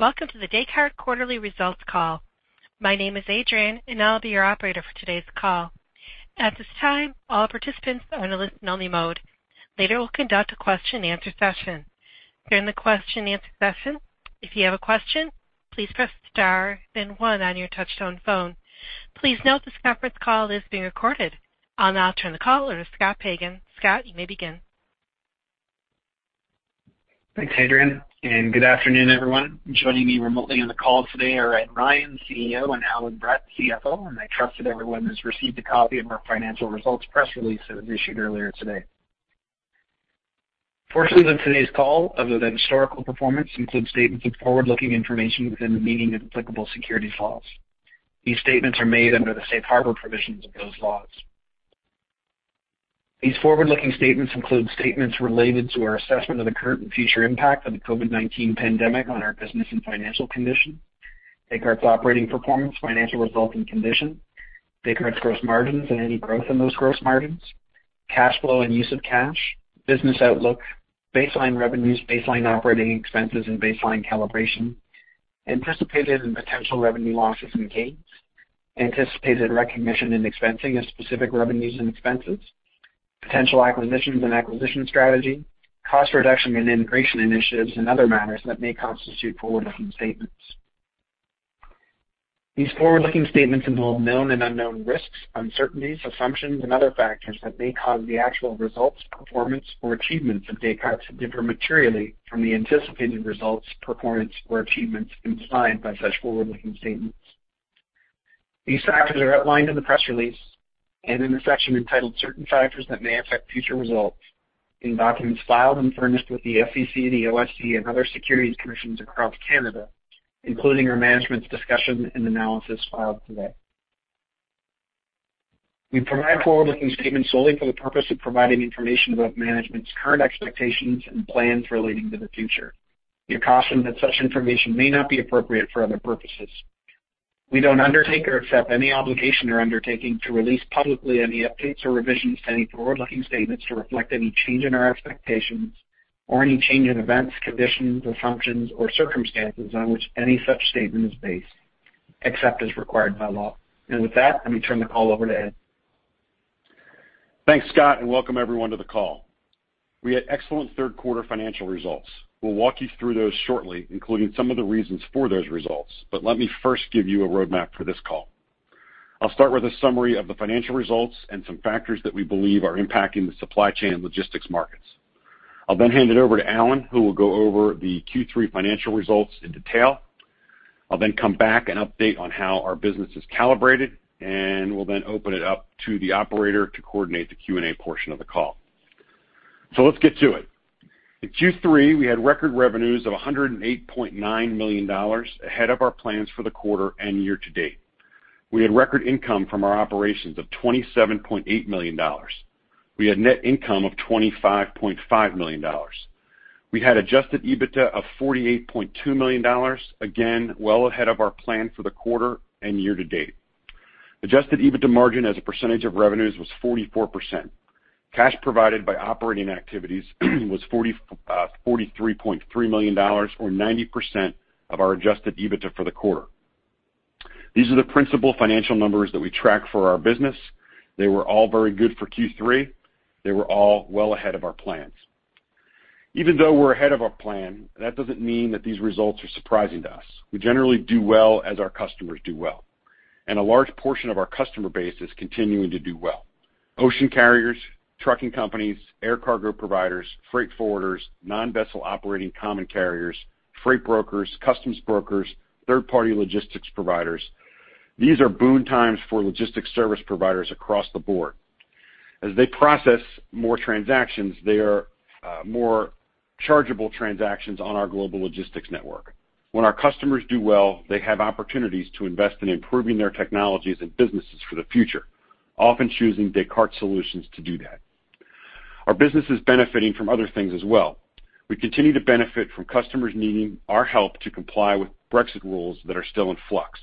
Welcome to the Descartes quarterly results call. My name is Adrian, and I'll be your operator for today's call. At this time, all participants are in a listen-only mode. Later, we'll conduct a question-and-answer session. During the question-and-answer session, if you have a question, please press star then one on your touchtone phone. Please note this conference call is being recorded. I'll now turn the call over to J. Scott Pagan. Scott, you may begin. Thanks, Adrian, and good afternoon, everyone. Joining me remotely on the call today are Ed Ryan, CEO, and Allan Brett, CFO. I trust that everyone has received a copy of our financial results press release that was issued earlier today. Portions of today's call other than historical performance include statements of forward-looking information within the meaning of applicable securities laws. These statements are made under the safe harbor provisions of those laws. These forward-looking statements include statements related to our assessment of the current and future impact of the COVID-19 pandemic on our business and financial condition, Descartes' operating performance, financial results, and condition, Descartes' gross margins and any growth in those gross margins, cash flow and use of cash, business outlook, baseline revenues, baseline operating expenses, and baseline calibration, anticipated and potential revenue losses and gains, anticipated recognition and expensing of specific revenues and expenses, potential acquisitions and acquisition strategy, cost reduction and integration initiatives, and other matters that may constitute forward-looking statements. These forward-looking statements involve known and unknown risks, uncertainties, assumptions, and other factors that may cause the actual results, performance, or achievements of Descartes to differ materially from the anticipated results, performance, or achievements implied by such forward-looking statements. These factors are outlined in the press release and in the section entitled Certain Factors That May Affect Future Results in documents filed and furnished with the SEC, the OSC, and other securities commissions across Canada, including our management's discussion and analysis filed today. We provide forward-looking statements solely for the purpose of providing information about management's current expectations and plans relating to the future. We caution that such information may not be appropriate for other purposes. We don't undertake or accept any obligation or undertaking to release publicly any updates or revisions to any forward-looking statements to reflect any change in our expectations or any change in events, conditions, assumptions, or circumstances on which any such statement is based, except as required by law. With that, let me turn the call over to Ed. Thanks, Scott, and welcome everyone to the call. We had excellent third quarter financial results. We'll walk you through those shortly, including some of the reasons for those results. Let me first give you a roadmap for this call. I'll start with a summary of the financial results and some factors that we believe are impacting the supply chain and logistics markets. I'll then hand it over to Alan, who will go over the Q3 financial results in detail. I'll then come back and update on how our business is calibrated, and we'll then open it up to the operator to coordinate the Q&A portion of the call. Let's get to it. In Q3, we had record revenues of $108.9 million ahead of our plans for the quarter and year to date. We had record income from our operations of $27.8 million. We had net income of $25.5 million. We had adjusted EBITDA of $48.2 million, again, well ahead of our plan for the quarter and year to date. Adjusted EBITDA margin as a percentage of revenues was 44%. Cash provided by operating activities was $43.3 million or 90% of our adjusted EBITDA for the quarter. These are the principal financial numbers that we track for our business. They were all very good for Q3. They were all well ahead of our plans. Even though we're ahead of our plan, that doesn't mean that these results are surprising to us. We generally do well as our customers do well, and a large portion of our customer base is continuing to do well. Ocean carriers, trucking companies, air cargo providers, freight forwarders, non-vessel operating common carriers, freight brokers, customs brokers, third-party logistics providers. These are boom times for logistics service providers across the board. As they process more transactions, they are more chargeable transactions on our global logistics network. When our customers do well, they have opportunities to invest in improving their technologies and businesses for the future, often choosing Descartes solutions to do that. Our business is benefiting from other things as well. We continue to benefit from customers needing our help to comply with Brexit rules that are still in flux.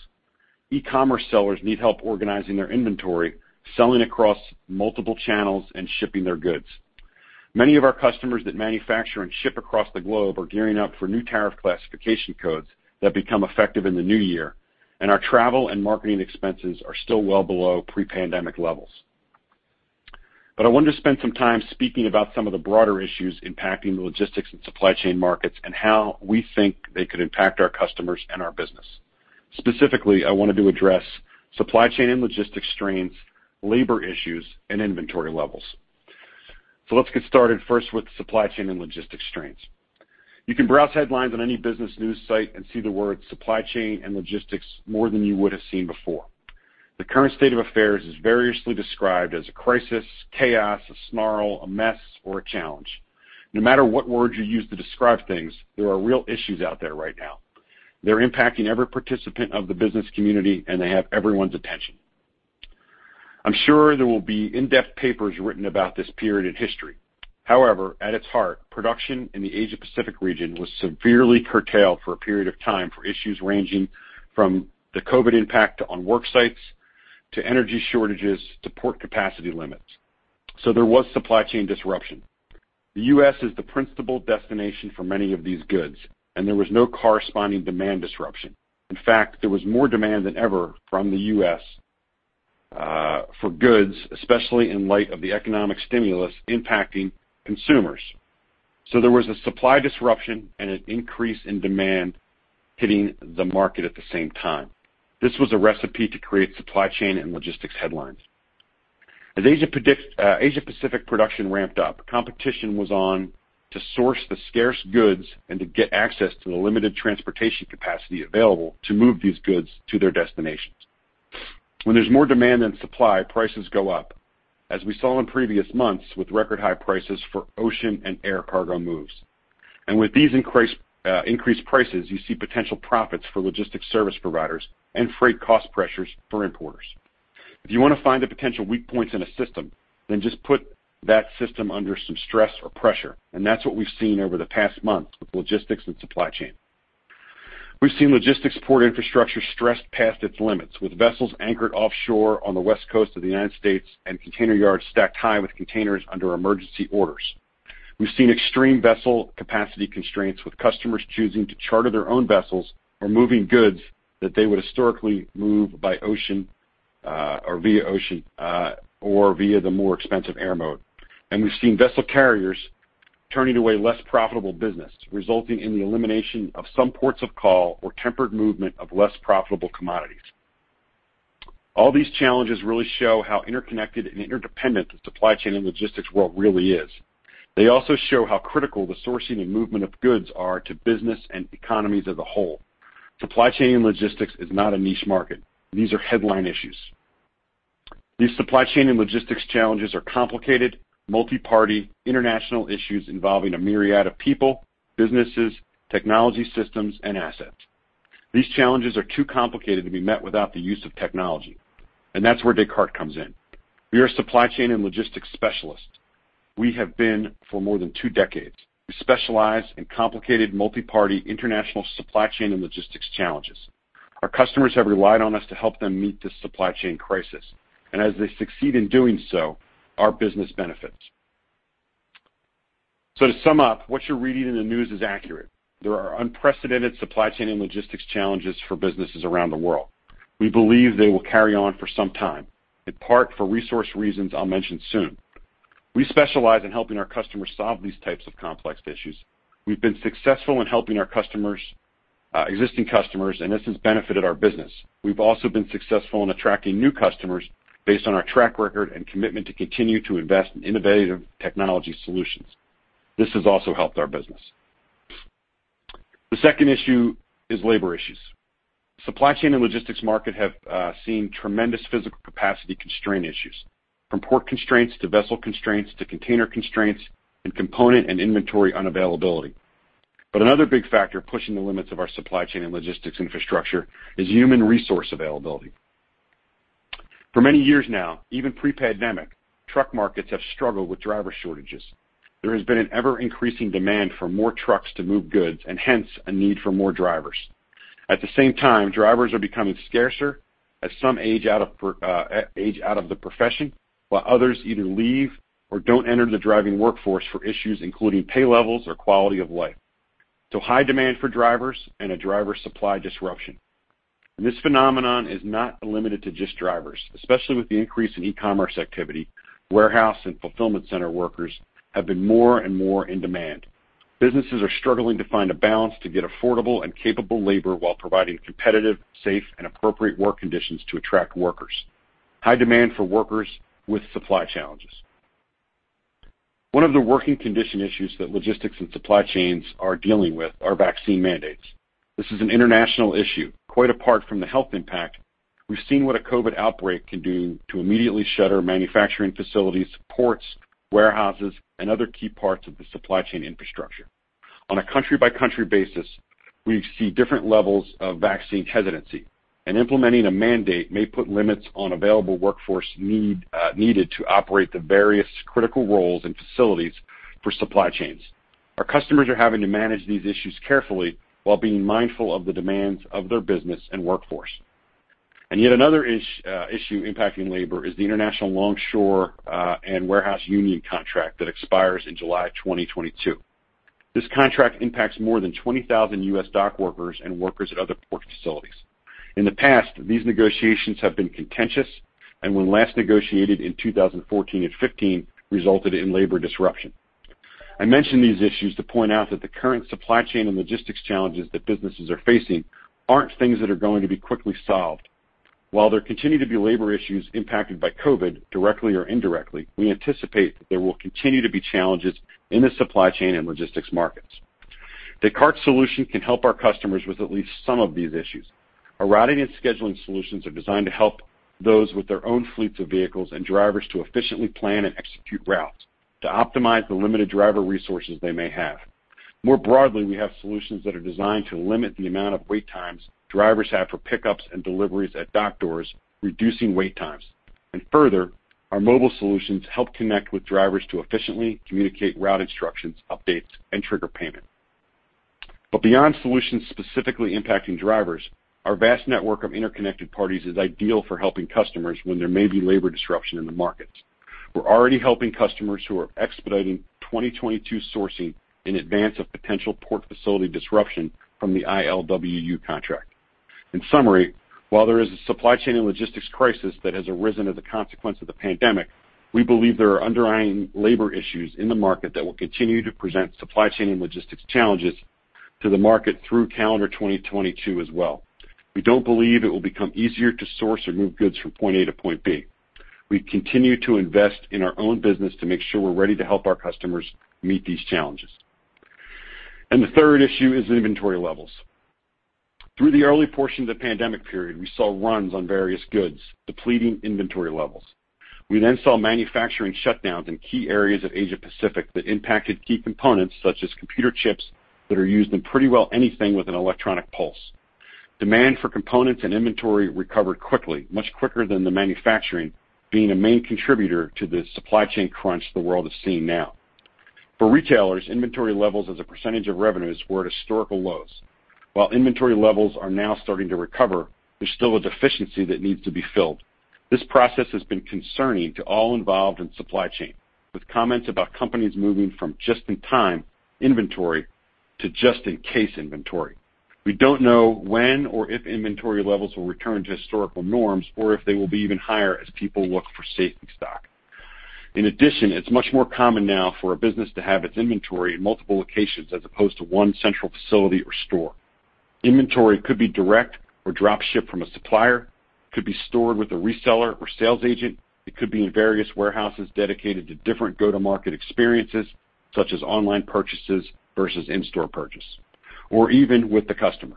E-commerce sellers need help organizing their inventory, selling across multiple channels, and shipping their goods. Many of our customers that manufacture and ship across the globe are gearing up for new tariff classification codes that become effective in the new year, and our travel and marketing expenses are still well below pre-pandemic levels. I want to spend some time speaking about some of the broader issues impacting the logistics and supply chain markets and how we think they could impact our customers and our business. Specifically, I wanted to address supply chain and logistics strains, labor issues, and inventory levels. Let's get started first with supply chain and logistics strains. You can browse headlines on any business news site and see the words supply chain and logistics more than you would have seen before. The current state of affairs is variously described as a crisis, chaos, a snarl, a mess, or a challenge. No matter what words you use to describe things, there are real issues out there right now. They're impacting every participant of the business community, and they have everyone's attention. I'm sure there will be in-depth papers written about this period in history. However, at its heart, production in the Asia Pacific region was severely curtailed for a period of time for issues ranging from the COVID impact on work sites to energy shortages, to port capacity limits. There was supply chain disruption. The U.S. is the principal destination for many of these goods, and there was no corresponding demand disruption. In fact, there was more demand than ever from the U.S. for goods, especially in light of the economic stimulus impacting consumers. There was a supply disruption and an increase in demand hitting the market at the same time. This was a recipe to create supply chain and logistics headlines. As Asia Pacific production ramped up, competition was on to source the scarce goods and to get access to the limited transportation capacity available to move these goods to their destinations. When there's more demand than supply, prices go up, as we saw in previous months with record high prices for ocean and air cargo moves. With these increased prices, you see potential profits for logistics service providers and freight cost pressures for importers. If you wanna find the potential weak points in a system, then just put that system under some stress or pressure, and that's what we've seen over the past month with logistics and supply chain. We've seen logistics port infrastructure stressed past its limits, with vessels anchored offshore on the West Coast of the United States and container yards stacked high with containers under emergency orders. We've seen extreme vessel capacity constraints with customers choosing to charter their own vessels or moving goods that they would historically move by ocean or via the more expensive air mode. We've seen vessel carriers turning away less profitable business, resulting in the elimination of some ports of call or tempered movement of less profitable commodities. All these challenges really show how interconnected and interdependent the supply chain and logistics world really is. They also show how critical the sourcing and movement of goods are to business and economies as a whole. Supply chain and logistics is not a niche market. These are headline issues. These supply chain and logistics challenges are complicated, multi-party, international issues involving a myriad of people, businesses, technology systems, and assets. These challenges are too complicated to be met without the use of technology, and that's where Descartes comes in. We are supply chain and logistics specialists. We have been for more than two decades. We specialize in complicated, multi-party, international supply chain and logistics challenges. Our customers have relied on us to help them meet this supply chain crisis, and as they succeed in doing so, our business benefits. To sum up, what you're reading in the news is accurate. There are unprecedented supply chain and logistics challenges for businesses around the world. We believe they will carry on for some time, in part for resource reasons I'll mention soon. We specialize in helping our customers solve these types of complex issues. We've been successful in helping our customers, existing customers, and this has benefited our business. We've also been successful in attracting new customers based on our track record and commitment to continue to invest in innovative technology solutions. This has also helped our business. The second issue is labor issues. Supply chain and logistics market have seen tremendous physical capacity constraint issues, from port constraints to vessel constraints to container constraints and component and inventory unavailability. Another big factor pushing the limits of our supply chain and logistics infrastructure is human resource availability. For many years now, even pre-pandemic, truck markets have struggled with driver shortages. There has been an ever-increasing demand for more trucks to move goods and hence a need for more drivers. At the same time, drivers are becoming scarcer as some age out of the profession, while others either leave or don't enter the driving workforce for issues including pay levels or quality of life. High demand for drivers and a driver supply disruption. This phenomenon is not limited to just drivers. Especially with the increase in e-commerce activity, warehouse and fulfillment center workers have been more and more in demand. Businesses are struggling to find a balance to get affordable and capable labor while providing competitive, safe, and appropriate work conditions to attract workers. High demand for workers with supply challenges. One of the working condition issues that logistics and supply chains are dealing with are vaccine mandates. This is an international issue. Quite apart from the health impact, we've seen what a COVID outbreak can do to immediately shutter manufacturing facilities, ports, warehouses, and other key parts of the supply chain infrastructure. On a country-by-country basis, we see different levels of vaccine hesitancy, and implementing a mandate may put limits on available workforce need, needed to operate the various critical roles and facilities for supply chains. Our customers are having to manage these issues carefully while being mindful of the demands of their business and workforce. Yet another issue impacting labor is the International Longshore and Warehouse Union contract that expires in July 2022. This contract impacts more than 20,000 U.S. dock workers and workers at other port facilities. In the past, these negotiations have been contentious, and when last negotiated in 2014 and 2015, resulted in labor disruption. I mention these issues to point out that the current supply chain and logistics challenges that businesses are facing aren't things that are going to be quickly solved. While there continue to be labor issues impacted by COVID, directly or indirectly, we anticipate that there will continue to be challenges in the supply chain and logistics markets. Descartes' solution can help our customers with at least some of these issues. Our routing and scheduling solutions are designed to help those with their own fleets of vehicles and drivers to efficiently plan and execute routes to optimize the limited driver resources they may have. More broadly, we have solutions that are designed to limit the amount of wait times drivers have for pickups and deliveries at dock doors, reducing wait times. Further, our mobile solutions help connect with drivers to efficiently communicate route instructions, updates, and trigger payment. Beyond solutions specifically impacting drivers, our vast network of interconnected parties is ideal for helping customers when there may be labor disruption in the markets. We're already helping customers who are expediting 2022 sourcing in advance of potential port facility disruption from the ILWU contract. In summary, while there is a supply chain and logistics crisis that has arisen as a consequence of the pandemic, we believe there are underlying labor issues in the market that will continue to present supply chain and logistics challenges to the market through calendar 2022 as well. We don't believe it will become easier to source or move goods from point A to point B. We continue to invest in our own business to make sure we're ready to help our customers meet these challenges. The third issue is inventory levels. Through the early portion of the pandemic period, we saw runs on various goods, depleting inventory levels. We then saw manufacturing shutdowns in key areas of Asia-Pacific that impacted key components such as computer chips that are used in pretty well anything with an electronic pulse. Demand for components and inventory recovered quickly, much quicker than the manufacturing, being a main contributor to the supply chain crunch the world is seeing now. For retailers, inventory levels as a percentage of revenues were at historical lows. While inventory levels are now starting to recover, there's still a deficiency that needs to be filled. This process has been concerning to all involved in supply chain, with comments about companies moving from just-in-time inventory to just-in-case inventory. We don't know when or if inventory levels will return to historical norms or if they will be even higher as people look for safety stock. In addition, it's much more common now for a business to have its inventory in multiple locations as opposed to one central facility or store. Inventory could be direct or drop shipped from a supplier, could be stored with a reseller or sales agent. It could be in various warehouses dedicated to different go-to-market experiences, such as online purchases versus in-store purchase, or even with the customer.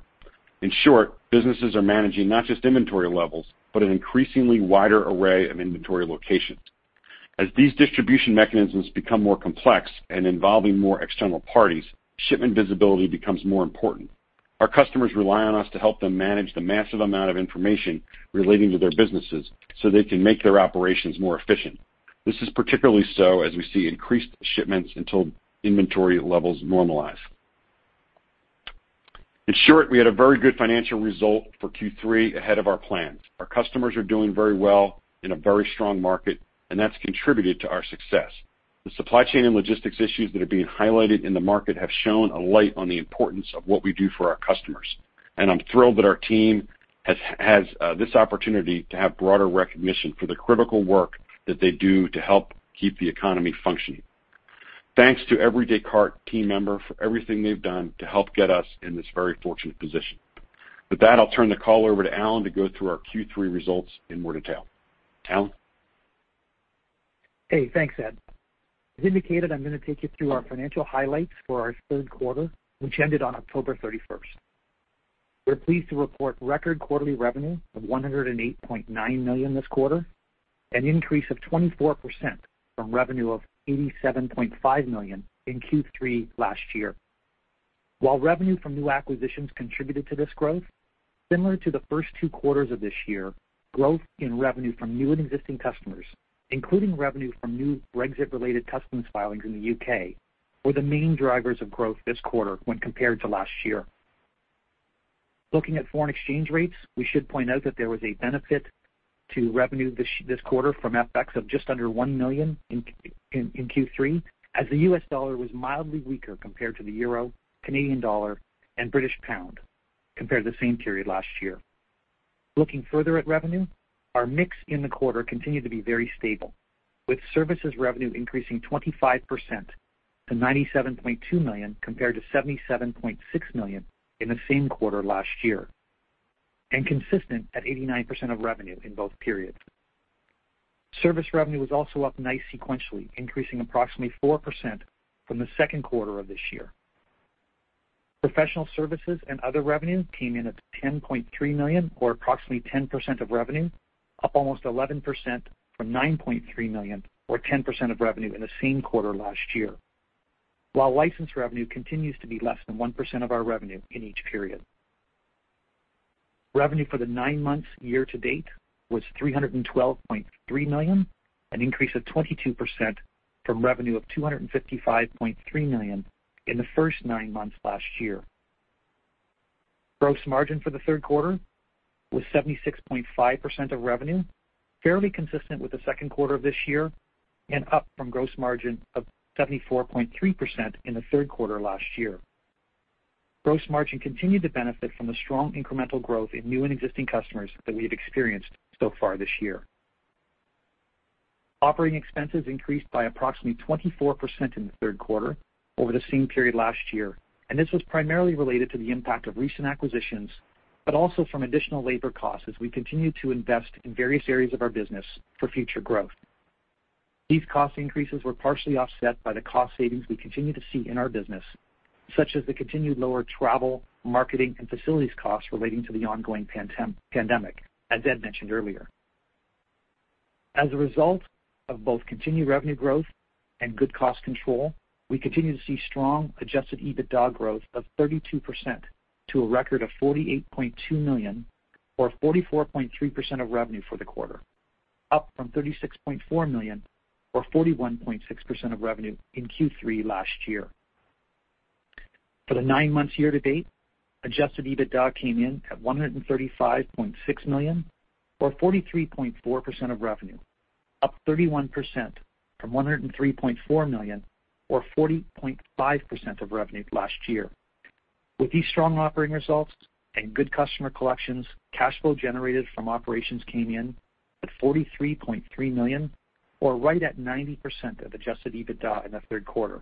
In short, businesses are managing not just inventory levels, but an increasingly wider array of inventory locations. As these distribution mechanisms become more complex and involving more external parties, shipment visibility becomes more important. Our customers rely on us to help them manage the massive amount of information relating to their businesses so they can make their operations more efficient. This is particularly so as we see increased shipments until inventory levels normalize. In short, we had a very good financial result for Q3 ahead of our plans. Our customers are doing very well in a very strong market, and that's contributed to our success. The supply chain and logistics issues that are being highlighted in the market have shone a light on the importance of what we do for our customers, and I'm thrilled that our team has this opportunity to have broader recognition for the critical work that they do to help keep the economy functioning. Thanks to every Descartes team member for everything they've done to help get us in this very fortunate position. With that, I'll turn the call over to Allan to go through our Q3 results in more detail. Allan? Hey, thanks, Ed. As indicated, I'm gonna take you through our financial highlights for our third quarter, which ended on October 31. We're pleased to report record quarterly revenue of $108.9 million this quarter, an increase of 24% from revenue of $87.5 million in Q3 last year. While revenue from new acquisitions contributed to this growth, similar to the first two quarters of this year, growth in revenue from new and existing customers, including revenue from new Brexit-related customs filings in the U.K., were the main drivers of growth this quarter when compared to last year. Looking at foreign exchange rates, we should point out that there was a benefit to revenue this quarter from FX of just under $1 million in Q3, as the U.S. dollar was mildly weaker compared to the euro, Canadian dollar, and British pound compared to the same period last year. Looking further at revenue, our mix in the quarter continued to be very stable, with services revenue increasing 25% to $97.2 million compared to $77.6 million in the same quarter last year, and consistent at 89% of revenue in both periods. Services revenue was also up nicely sequentially, increasing approximately 4% from the second quarter of this year. Professional services and other revenue came in at $10.3 million or approximately 10% of revenue, up almost 11% from $9.3 million or 10% of revenue in the same quarter last year. While license revenue continues to be less than 1% of our revenue in each period. Revenue for the nine months year to date was $312.3 million, an increase of 22% from revenue of $255.3 million in the first nine months last year. Gross margin for the third quarter was 76.5% of revenue, fairly consistent with the second quarter of this year and up from gross margin of 74.3% in the third quarter last year. Gross margin continued to benefit from the strong incremental growth in new and existing customers that we have experienced so far this year. Operating expenses increased by approximately 24% in the third quarter over the same period last year, and this was primarily related to the impact of recent acquisitions, but also from additional labor costs as we continue to invest in various areas of our business for future growth. These cost increases were partially offset by the cost savings we continue to see in our business, such as the continued lower travel, marketing, and facilities costs relating to the ongoing pandemic, as Ed mentioned earlier. As a result of both continued revenue growth and good cost control, we continue to see strong adjusted EBITDA growth of 32% to a record of $48.2 million or 44.3% of revenue for the quarter. Up from $36.4 million or 41.6% of revenue in Q3 last year. For the nine months year-to-date, adjusted EBITDA came in at $135.6 million or 43.4% of revenue, up 31% from $103.4 million or 40.5% of revenue last year. With these strong operating results and good customer collections, cash flow generated from operations came in at $43.3 million or right at 90% of adjusted EBITDA in the third quarter,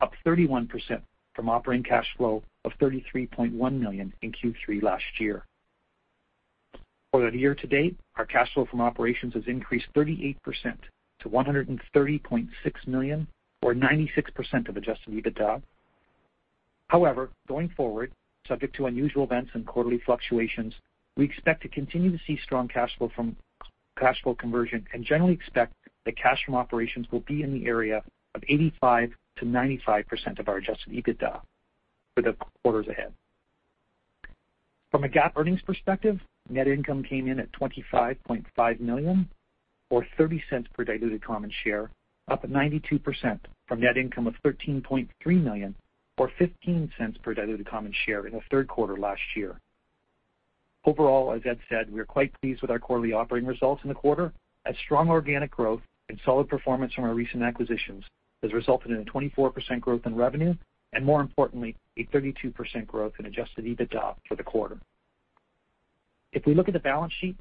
up 31% from operating cash flow of $33.1 million in Q3 last year. For the year to date, our cash flow from operations has increased 38% to $130.6 million or 96% of adjusted EBITDA. However, going forward, subject to unusual events and quarterly fluctuations, we expect to continue to see strong cash flow from cash flow conversion and generally expect that cash from operations will be in the area of 85%-95% of our adjusted EBITDA for the quarters ahead. From a GAAP earnings perspective, net income came in at $25.5 million or $0.30 per diluted common share, up 92% from net income of $13.3 million or $0.15 per diluted common share in the third quarter last year. Overall, as Ed said, we are quite pleased with our quarterly operating results in the quarter as strong organic growth and solid performance from our recent acquisitions has resulted in a 24% growth in revenue, and more importantly, a 32% growth in adjusted EBITDA for the quarter. If we look at the balance sheet,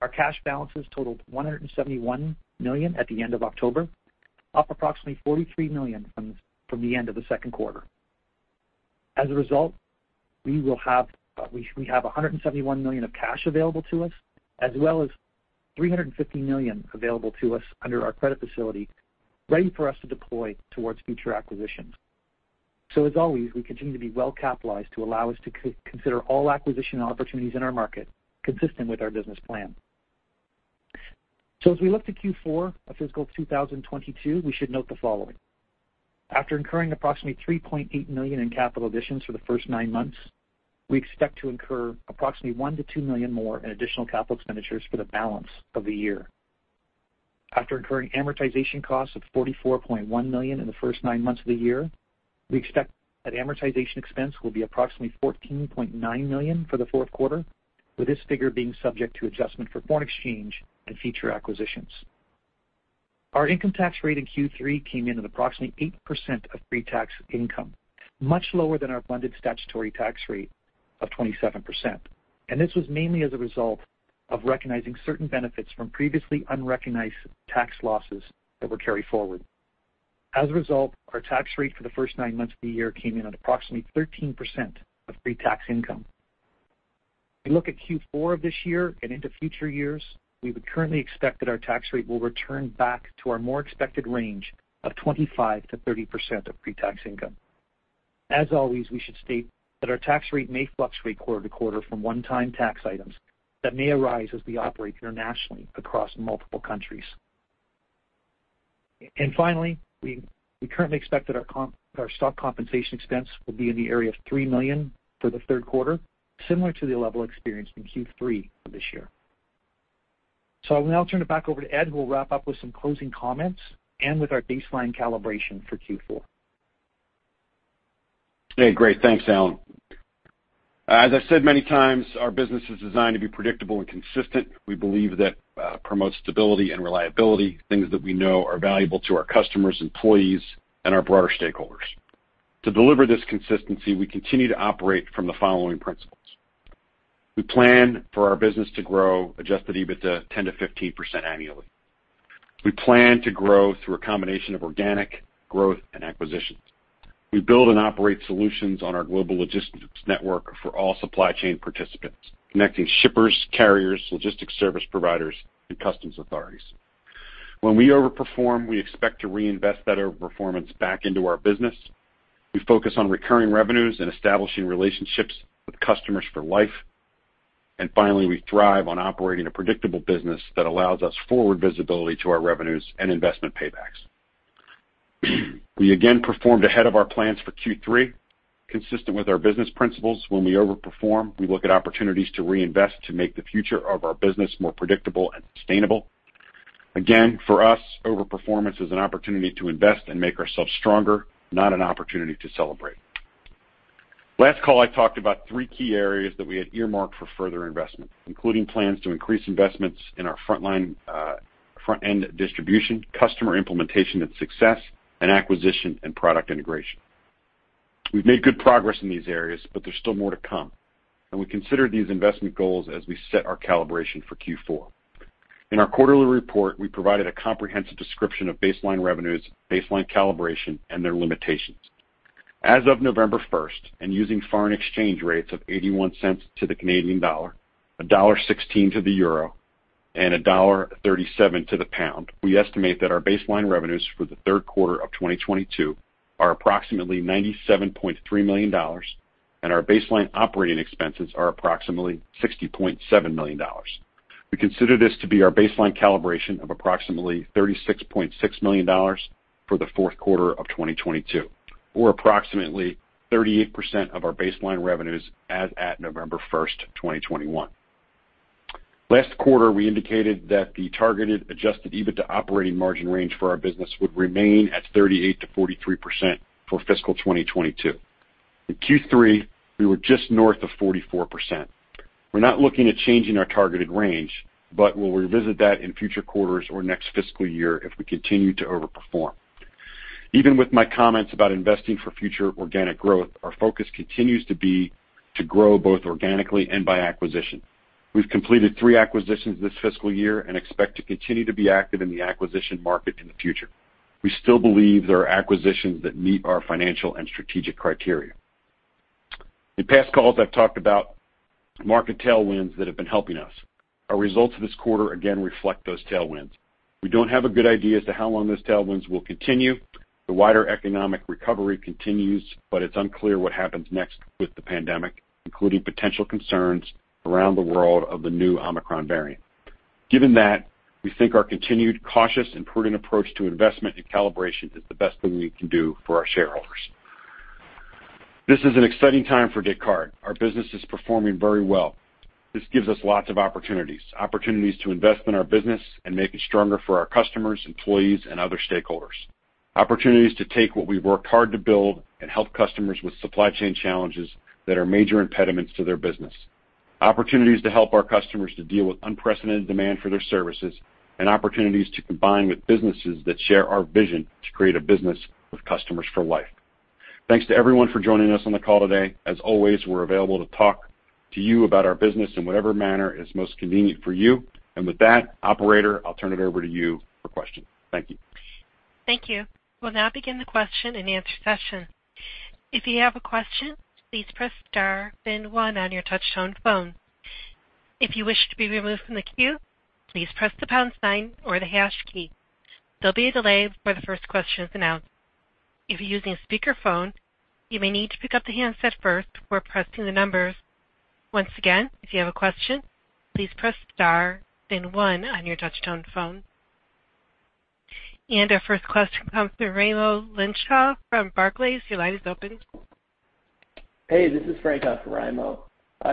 our cash balances totaled $171 million at the end of October, up approximately $43 million from the end of the second quarter. As a result, we have $171 million of cash available to us, as well as $350 million available to us under our credit facility, ready for us to deploy towards future acquisitions. As always, we continue to be well capitalized to allow us to consider all acquisition opportunities in our market consistent with our business plan. As we look to Q4 of fiscal 2022, we should note the following. After incurring approximately $3.8 million in capital additions for the first nine months, we expect to incur approximately $1 million-$2 million more in additional capital expenditures for the balance of the year. After incurring amortization costs of $44.1 million in the first nine months of the year, we expect that amortization expense will be approximately $14.9 million for the fourth quarter, with this figure being subject to adjustment for foreign exchange and future acquisitions. Our income tax rate in Q3 came in at approximately 8% of pre-tax income, much lower than our blended statutory tax rate of 27%. This was mainly as a result of recognizing certain benefits from previously unrecognized tax losses that were carried forward. As a result, our tax rate for the first nine months of the year came in at approximately 13% of pre-tax income. We look at Q4 of this year and into future years, we would currently expect that our tax rate will return back to our more expected range of 25%-30% of pre-tax income. As always, we should state that our tax rate may fluctuate quarter to quarter from one-time tax items that may arise as we operate internationally across multiple countries. And finally, we currently expect that our stock compensation expense will be in the area of $3 million for the third quarter, similar to the level experienced in Q3 of this year. I will now turn it back over to Ed, who will wrap up with some closing comments and with our baseline calibration for Q4. Hey, great. Thanks, Allan. As I've said many times, our business is designed to be predictable and consistent. We believe that promotes stability and reliability, things that we know are valuable to our customers, employees, and our broader stakeholders. To deliver this consistency, we continue to operate from the following principles. We plan for our business to grow adjusted EBITDA 10%-15% annually. We plan to grow through a combination of organic growth and acquisitions. We build and operate solutions on our Global Logistics Network for all supply chain participants, connecting shippers, carriers, logistics service providers, and customs authorities. When we overperform, we expect to reinvest that overperformance back into our business. We focus on recurring revenues and establishing relationships with customers for life. Finally, we thrive on operating a predictable business that allows us forward visibility to our revenues and investment paybacks. We again performed ahead of our plans for Q3. Consistent with our business principles, when we overperform, we look at opportunities to reinvest to make the future of our business more predictable and sustainable. Again, for us, overperformance is an opportunity to invest and make ourselves stronger, not an opportunity to celebrate. Last call, I talked about three key areas that we had earmarked for further investment, including plans to increase investments in our frontline, front-end distribution, customer implementation and success, and acquisition and product integration. We've made good progress in these areas, but there's still more to come, and we consider these investment goals as we set our calibration for Q4. In our quarterly report, we provided a comprehensive description of baseline revenues, baseline calibration, and their limitations. As of November 1, and using foreign exchange rates of 0.81 to the Canadian dollar, $1.16 to the euro, and $1.37 to the pound, we estimate that our baseline revenues for the third quarter of 2022 are approximately $97.3 million, and our baseline operating expenses are approximately $60.7 million. We consider this to be our baseline calibration of approximately $36.6 million for the fourth quarter of 2022. Approximately 38% of our baseline revenues as at November 1, 2021. Last quarter, we indicated that the targeted adjusted EBITDA operating margin range for our business would remain at 38%-43% for fiscal 2022. In Q3, we were just north of 44%. We're not looking at changing our targeted range, but we'll revisit that in future quarters or next fiscal year if we continue to overperform. Even with my comments about investing for future organic growth, our focus continues to be to grow both organically and by acquisition. We've completed three acquisitions this fiscal year and expect to continue to be active in the acquisition market in the future. We still believe there are acquisitions that meet our financial and strategic criteria. In past calls, I've talked about market tailwinds that have been helping us. Our results this quarter again reflect those tailwinds. We don't have a good idea as to how long those tailwinds will continue. The wider economic recovery continues, but it's unclear what happens next with the pandemic, including potential concerns around the world of the new Omicron variant. Given that, we think our continued cautious and prudent approach to investment and calibration is the best thing we can do for our shareholders. This is an exciting time for Descartes. Our business is performing very well. This gives us lots of opportunities. Opportunities to invest in our business and make it stronger for our customers, employees, and other stakeholders. Opportunities to take what we've worked hard to build and help customers with supply chain challenges that are major impediments to their business. Opportunities to help our customers to deal with unprecedented demand for their services, and opportunities to combine with businesses that share our vision to create a business with customers for life. Thanks to everyone for joining us on the call today. As always, we're available to talk to you about our business in whatever manner is most convenient for you. With that, operator, I'll turn it over to you for questions. Thank you. Thank you. We'll now begin the question-and-answer session. If you have a question, please press star then one on your touchtone phone. If you wish to be removed from the queue, please press the pound sign or the hash key. There'll be a delay before the first question is announced. If you're using a speakerphone, you may need to pick up the handset first before pressing the numbers. Once again, if you have a question, please press star then one on your touchtone phone. Our first question comes from Raimo Lenschow from Barclays. Your line is open. Hey, this is Frank from Raimo.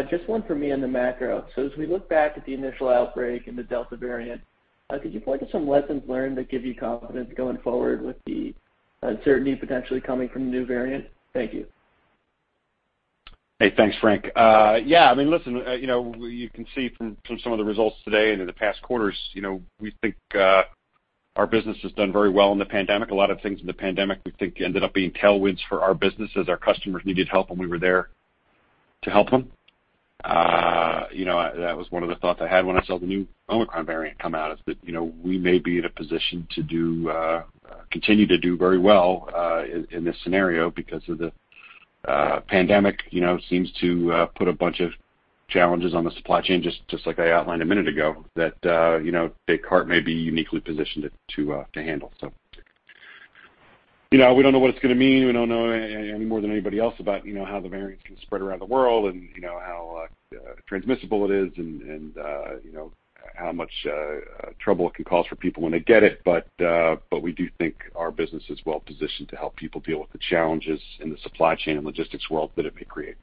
Just one for me on the macro. As we look back at the initial outbreak and the Delta variant, could you point to some lessons learned that give you confidence going forward with the uncertainty potentially coming from the new variant? Thank you. Hey, thanks, Frank. Yeah, I mean, listen, you know, you can see from some of the results today and in the past quarters, you know, we think our business has done very well in the pandemic. A lot of things in the pandemic we think ended up being tailwinds for our business as our customers needed help, and we were there to help them. You know, that was one of the thoughts I had when I saw the new Omicron variant come out is that, you know, we may be in a position to continue to do very well in this scenario because of the pandemic, you know, seems to put a bunch of challenges on the supply chain, just like I outlined a minute ago, that, you know, Descartes may be uniquely positioned to handle. You know, we don't know what it's gonna mean. We don't know any more than anybody else about, you know, how the variants can spread around the world and, you know, how transmissible it is and, you know, how much trouble it can cause for people when they get it. We do think our business is well positioned to help people deal with the challenges in the supply chain and logistics world that it may create.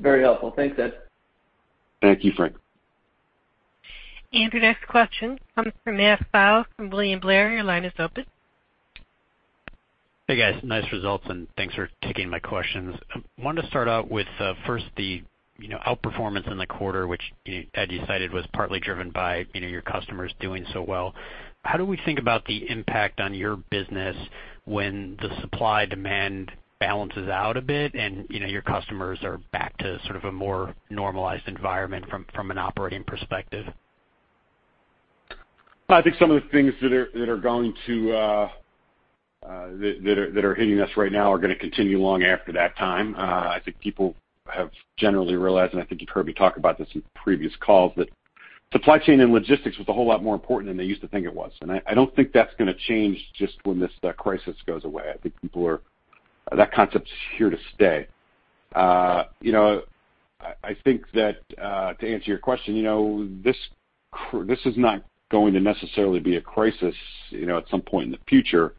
Very helpful. Thanks, Ed. Thank you, Frank. Your next question comes from Matt Pfau from William Blair. Your line is open. Hey, guys, nice results, and thanks for taking my questions. I wanted to start out with first the, you know, outperformance in the quarter, which you, as you cited, was partly driven by, you know, your customers doing so well. How do we think about the impact on your business when the supply-demand balances out a bit and, you know, your customers are back to sort of a more normalized environment from an operating perspective? I think some of the things that are going to hit us right now are gonna continue long after that time. I think people have generally realized, and I think you've heard me talk about this in previous calls, that supply chain and logistics was a whole lot more important than they used to think it was. I don't think that's gonna change just when this crisis goes away. I think that concept's here to stay. You know, I think that to answer your question, you know, this is not going to necessarily be a crisis, you know, at some point in the future,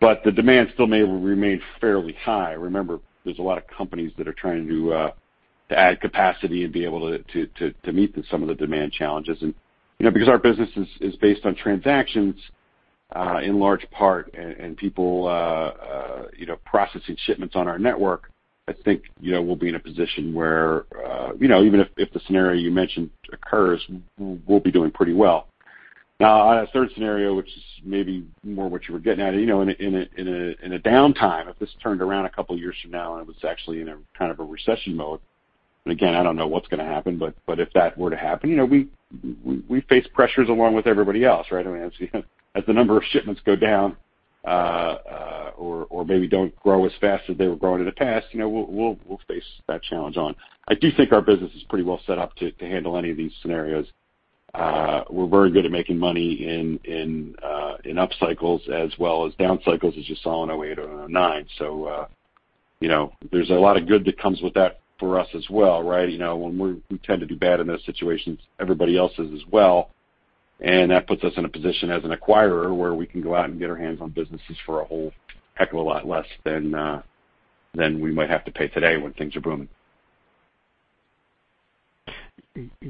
but the demand still may remain fairly high. Remember, there's a lot of companies that are trying to add capacity and be able to meet some of the demand challenges. You know, because our business is based on transactions in large part and people you know processing shipments on our network, I think, you know, we'll be in a position where, you know, even if the scenario you mentioned occurs, we'll be doing pretty well. Now on a third scenario, which is maybe more what you were getting at, you know, in a downtime, if this turned around a couple years from now and it was actually in a kind of recession mode, and again, I don't know what's gonna happen, but if that were to happen, you know, we face pressures along with everybody else, right? I mean, as the number of shipments go down, or maybe don't grow as fast as they were growing in the past, you know, we'll face that challenge on. I do think our business is pretty well set up to handle any of these scenarios. We're very good at making money in up cycles as well as down cycles as you saw in 2008 and 2009. You know, there's a lot of good that comes with that for us as well, right? You know, we tend to do bad in those situations, everybody else is as well. That puts us in a position as an acquirer where we can go out and get our hands on businesses for a whole heck of a lot less than we might have to pay today when things are booming.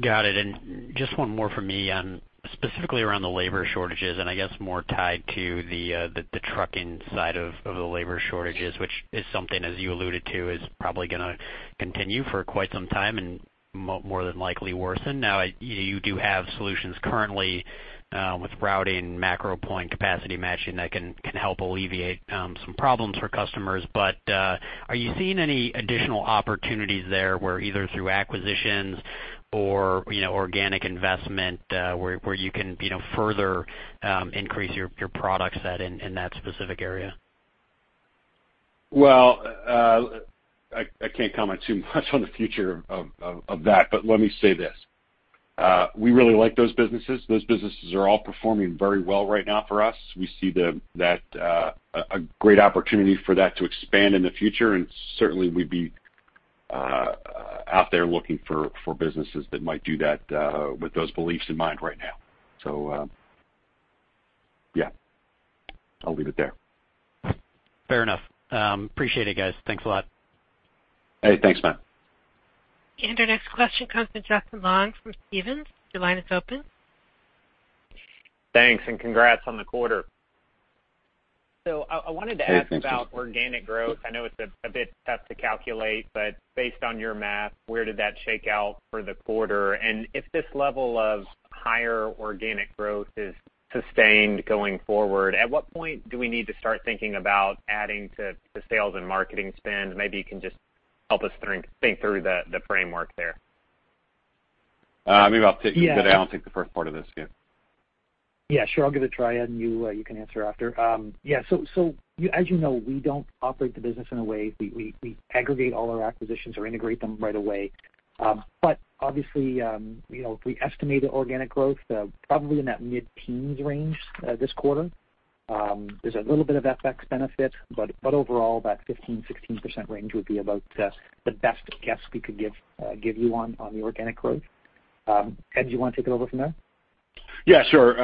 Got it. Just one more from me on specifically around the labor shortages, and I guess more tied to the trucking side of the labor shortages, which is something as you alluded to, is probably gonna continue for quite some time and more than likely worsen. Now, you do have solutions currently with routing, MacroPoint Capacity Matching that can help alleviate some problems for customers. But, are you seeing any additional opportunities there where either through acquisitions or, you know, organic investment, where you can, you know, further increase your product set in that specific area? Well, I can't comment too much on the future of that, but let me say this. We really like those businesses. Those businesses are all performing very well right now for us. We see a great opportunity for that to expand in the future, and certainly we'd be out there looking for businesses that might do that with those beliefs in mind right now. Yeah, I'll leave it there. Fair enough. Appreciate it, guys. Thanks a lot. Hey, thanks, Matt. Our next question comes from Justin Long from Stephens. Your line is open. Thanks, and congrats on the quarter. Hey, thank you. I wanted to ask about organic growth. I know it's a bit tough to calculate, but based on your math, where did that shake out for the quarter? If this level of higher organic growth is sustained going forward, at what point do we need to start thinking about adding to sales and marketing spend? Maybe you can just help us think through the framework there. Maybe I'll take it, but I don't think the first part of this, yeah. Yeah, sure. I'll give it a try, Ed, and you can answer after. Yeah. As you know, we don't operate the business in a way we aggregate all our acquisitions or integrate them right away. Obviously, you know, if we estimate the organic growth, probably in that mid-teens range this quarter, there's a little bit of FX benefit. Overall, that 15%-16% range would be about the best guess we could give you on the organic growth. Ed, do you wanna take it over from there? Yeah, sure.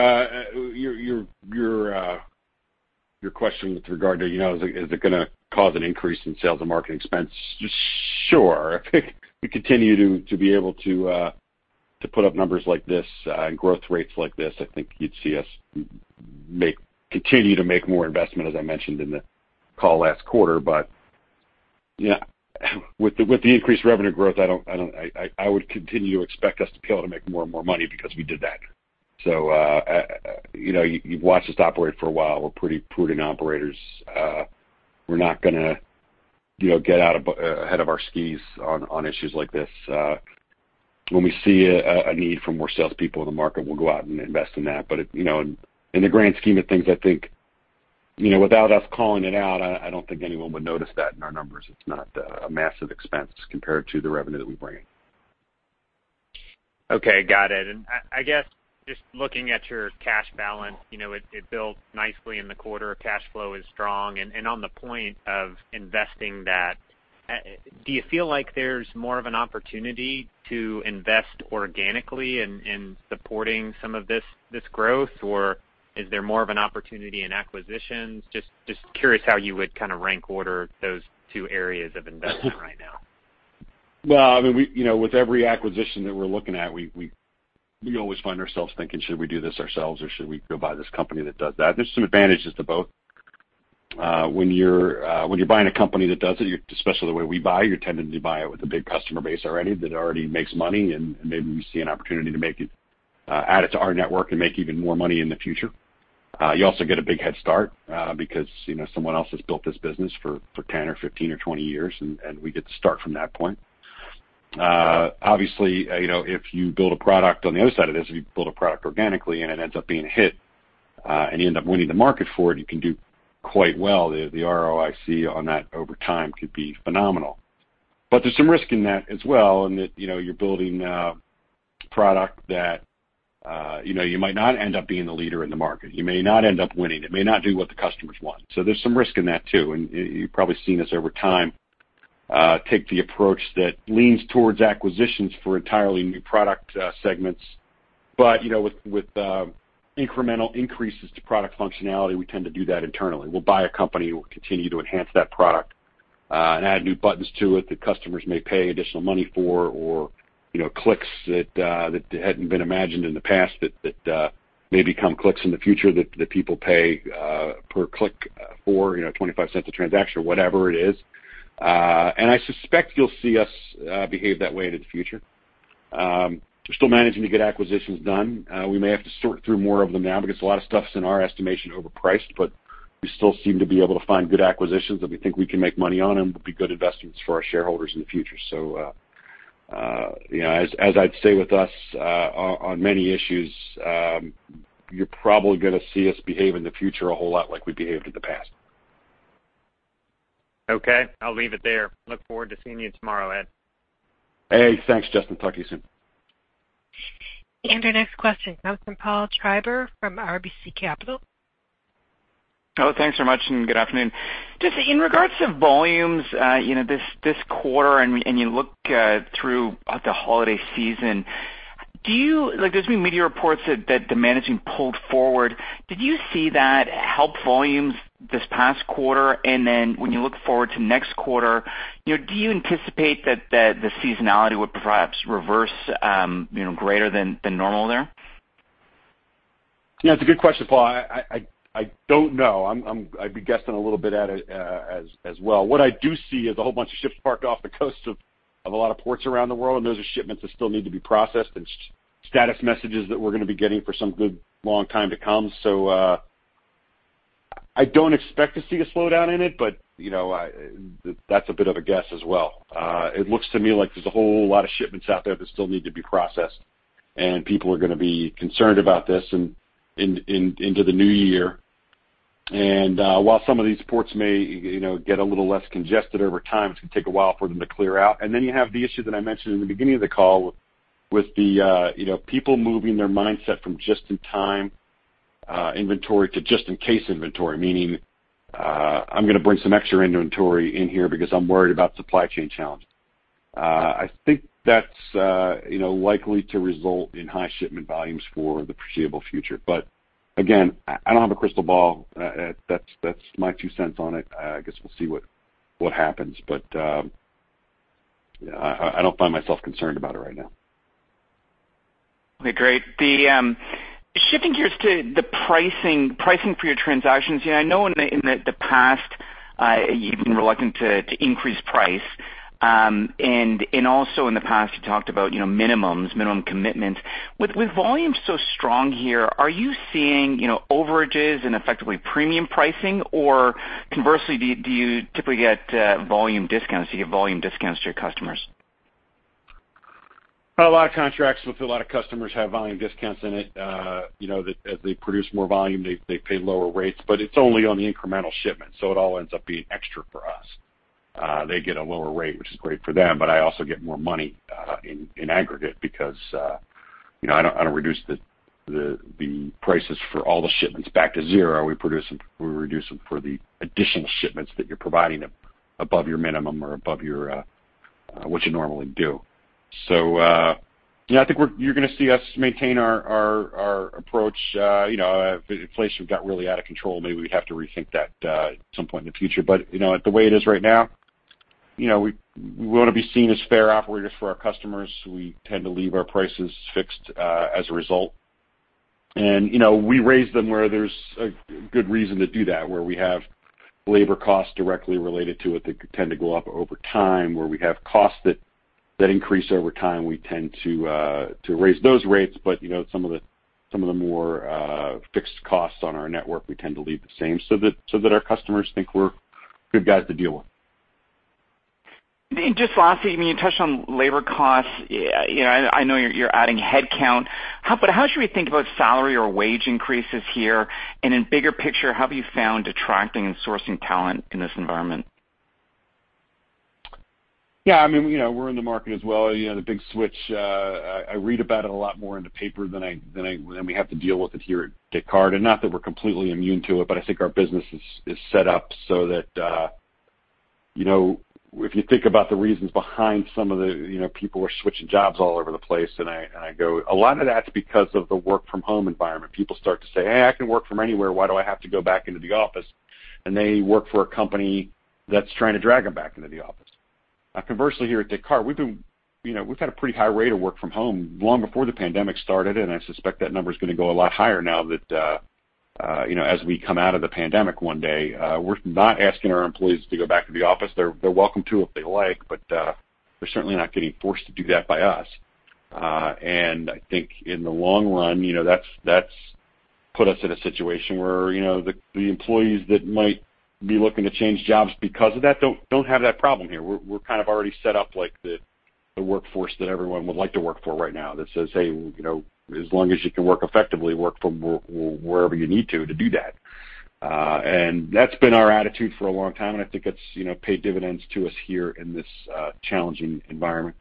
Your question with regard to, you know, is it gonna cause an increase in sales and marketing expense? Sure. If we continue to be able to put up numbers like this, and growth rates like this, I think you'd see us continue to make more investment, as I mentioned in the call last quarter. Yeah, with the increased revenue growth, I would continue to expect us to be able to make more and more money because we did that. You know, you've watched us operate for a while. We're pretty prudent operators. We're not gonna, you know, get ahead of our skis on issues like this. When we see a need for more salespeople in the market, we'll go out and invest in that. You know, in the grand scheme of things, I think, you know, without us calling it out, I don't think anyone would notice that in our numbers. It's not a massive expense compared to the revenue that we bring in. Okay. Got it. I guess just looking at your cash balance, you know, it built nicely in the quarter. Cash flow is strong. On the point of investing that, do you feel like there's more of an opportunity to invest organically in supporting some of this growth, or is there more of an opportunity in acquisitions? Just curious how you would kind of rank order those two areas of investment right now. Well, I mean, we, you know, with every acquisition that we're looking at, we always find ourselves thinking, should we do this ourselves or should we go buy this company that does that? There's some advantages to both. When you're buying a company that does it, especially the way we buy, you're tending to buy it with a big customer base already that already makes money, and maybe we see an opportunity to make it, add it to our network and make even more money in the future. You also get a big head start, because, you know, someone else has built this business for 10 or 15 or 20 years, and we get to start from that point. Obviously, you know, if you build a product on the other side of this, if you build a product organically and it ends up being a hit, and you end up winning the market for it, you can do quite well. The ROIC on that over time could be phenomenal. But there's some risk in that as well in that, you know, you're building a product that, you know, you might not end up being the leader in the market. You may not end up winning. It may not do what the customers want. So there's some risk in that too. You've probably seen us over time take the approach that leans towards acquisitions for entirely new product segments. But, you know, with incremental increases to product functionality, we tend to do that internally. We'll buy a company, we'll continue to enhance that product, and add new buttons to it that customers may pay additional money for, or, you know, clicks that hadn't been imagined in the past that may become clicks in the future that people pay per click for, you know, $0.25 a transaction or whatever it is. I suspect you'll see us behave that way into the future. We're still managing to get acquisitions done. We may have to sort through more of them now because a lot of stuff's, in our estimation, overpriced, but we still seem to be able to find good acquisitions that we think we can make money on and would be good investments for our shareholders in the future. You know, as I'd say with us, on many issues, you're probably gonna see us behave in the future a whole lot like we behaved in the past. Okay. I'll leave it there. Look forward to seeing you tomorrow, Ed. Hey, thanks, Justin. Talk to you soon. Our next question comes from Paul Treiber from RBC Capital. Oh, thanks very much, and good afternoon. Just in regards to volumes, you know, this quarter, and you look through the holiday season, like there's been media reports that the demand pulled forward. Did you see that helped volumes this past quarter? When you look forward to next quarter, you know, do you anticipate that the seasonality would perhaps reverse, you know, greater than normal there? Yeah, it's a good question, Paul. I don't know. I'd be guessing a little bit at it, as well. What I do see is a whole bunch of ships parked off the coast of a lot of ports around the world, and those are shipments that still need to be processed and status messages that we're gonna be getting for some good long time to come. I don't expect to see a slowdown in it, but you know, that's a bit of a guess as well. It looks to me like there's a whole lot of shipments out there that still need to be processed, and people are gonna be concerned about this into the new year. While some of these ports may, you know, get a little less congested over time, it's gonna take a while for them to clear out. Then you have the issue that I mentioned in the beginning of the call with the, you know, people moving their mindset from just in time, inventory to just in case inventory, meaning, I'm gonna bring some extra inventory in here because I'm worried about supply chain challenges. I think that's, you know, likely to result in high shipment volumes for the foreseeable future. Again, I don't have a crystal ball. That's my two cents on it. I guess we'll see what happens. Yeah, I don't find myself concerned about it right now. Okay, great. Shifting gears to the pricing for your transactions. You know, I know in the past you've been reluctant to increase price. Also in the past, you talked about, you know, minimums, minimum commitments. With volume so strong here, are you seeing, you know, overages and effectively premium pricing? Or conversely, do you typically get volume discounts? Do you give volume discounts to your customers? A lot of contracts with a lot of customers have volume discounts in it. You know, as they produce more volume, they pay lower rates, but it's only on the incremental shipment, so it all ends up being extra for us. They get a lower rate, which is great for them, but I also get more money in aggregate because you know, I don't reduce the prices for all the shipments back to zero. We reduce them for the additional shipments that you're providing above your minimum or above what you normally do. Yeah, I think you're gonna see us maintain our approach. You know, if inflation got really out of control, maybe we'd have to rethink that at some point in the future. You know, the way it is right now, you know, we wanna be seen as fair operators for our customers. We tend to leave our prices fixed, as a result. You know, we raise them where there's a good reason to do that, where we have labor costs directly related to it that tend to go up over time, where we have costs that increase over time, we tend to raise those rates. You know, some of the more fixed costs on our network, we tend to leave the same, so that our customers think we're good guys to deal with. Just lastly, I mean, you touched on labor costs. You know, I know you're adding headcount, but how should we think about salary or wage increases here? In bigger picture, how have you found attracting and sourcing talent in this environment? Yeah, I mean, you know, we're in the market as well. You know, the big switch, I read about it a lot more in the paper than we have to deal with it here at Descartes. Not that we're completely immune to it, but I think our business is set up so that, you know, if you think about the reasons behind some of the, you know, people are switching jobs all over the place. I go, a lot of that's because of the work from home environment. People start to say, "Hey, I can work from anywhere. Why do I have to go back into the office?" They work for a company that's trying to drag them back into the office. Conversely, here at Descartes, we've been, you know, we've had a pretty high rate of work from home long before the pandemic started, and I suspect that number is going to go a lot higher now that, you know, as we come out of the pandemic one day. We're not asking our employees to go back to the office. They're welcome to if they like, but they're certainly not getting forced to do that by us. I think in the long run, you know, that's put us in a situation where, you know, the employees that might be looking to change jobs because of that don't have that problem here. We're kind of already set up like the workforce that everyone would like to work for right now that says, "Hey, you know, as long as you can work effectively, work from wherever you need to do that." That's been our attitude for a long time, and I think it's, you know, paid dividends to us here in this challenging environment.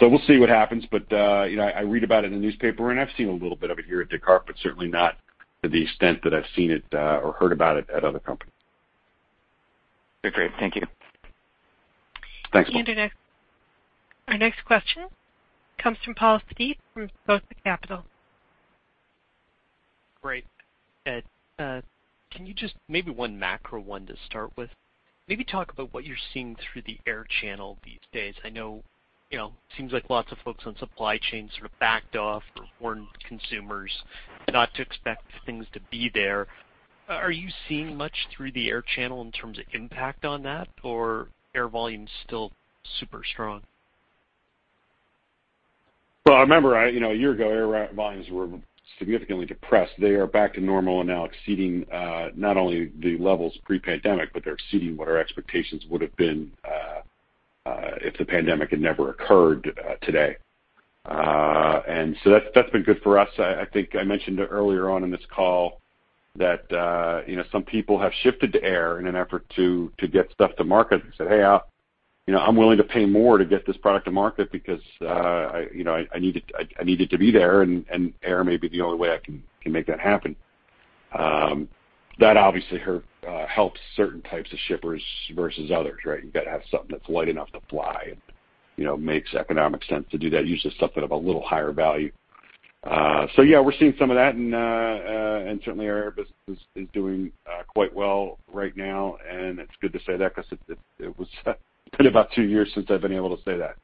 We'll see what happens. You know, I read about it in the newspaper, and I've seen a little bit of it here at Descartes, but certainly not to the extent that I've seen it or heard about it at other companies. Okay, great. Thank you. Thanks. Our next question comes from Paul Steep from Scotia Capital. Great. Ed, can you just maybe one macro one to start with? Maybe talk about what you're seeing through the air channel these days. I know, you know, seems like lots of folks on supply chain sort of backed off or warned consumers not to expect things to be there. Are you seeing much through the air channel in terms of impact on that or air volume is still super strong? Well, I remember, you know, a year ago, air volumes were significantly depressed. They are back to normal and now exceeding not only the levels pre-pandemic, but they're exceeding what our expectations would have been if the pandemic had never occurred today. That's been good for us. I think I mentioned earlier on in this call that you know, some people have shifted to air in an effort to get stuff to market and said, "Hey, you know, I'm willing to pay more to get this product to market because I you know I need it I need it to be there, and air may be the only way I can make that happen." That obviously helps certain types of shippers versus others, right? You've got to have something that's light enough to fly and, you know, makes economic sense to do that, usually stuff that have a little higher value. We're seeing some of that and certainly our air business is doing quite well right now, and it's good to say that because it has been about two years since I've been able to say that.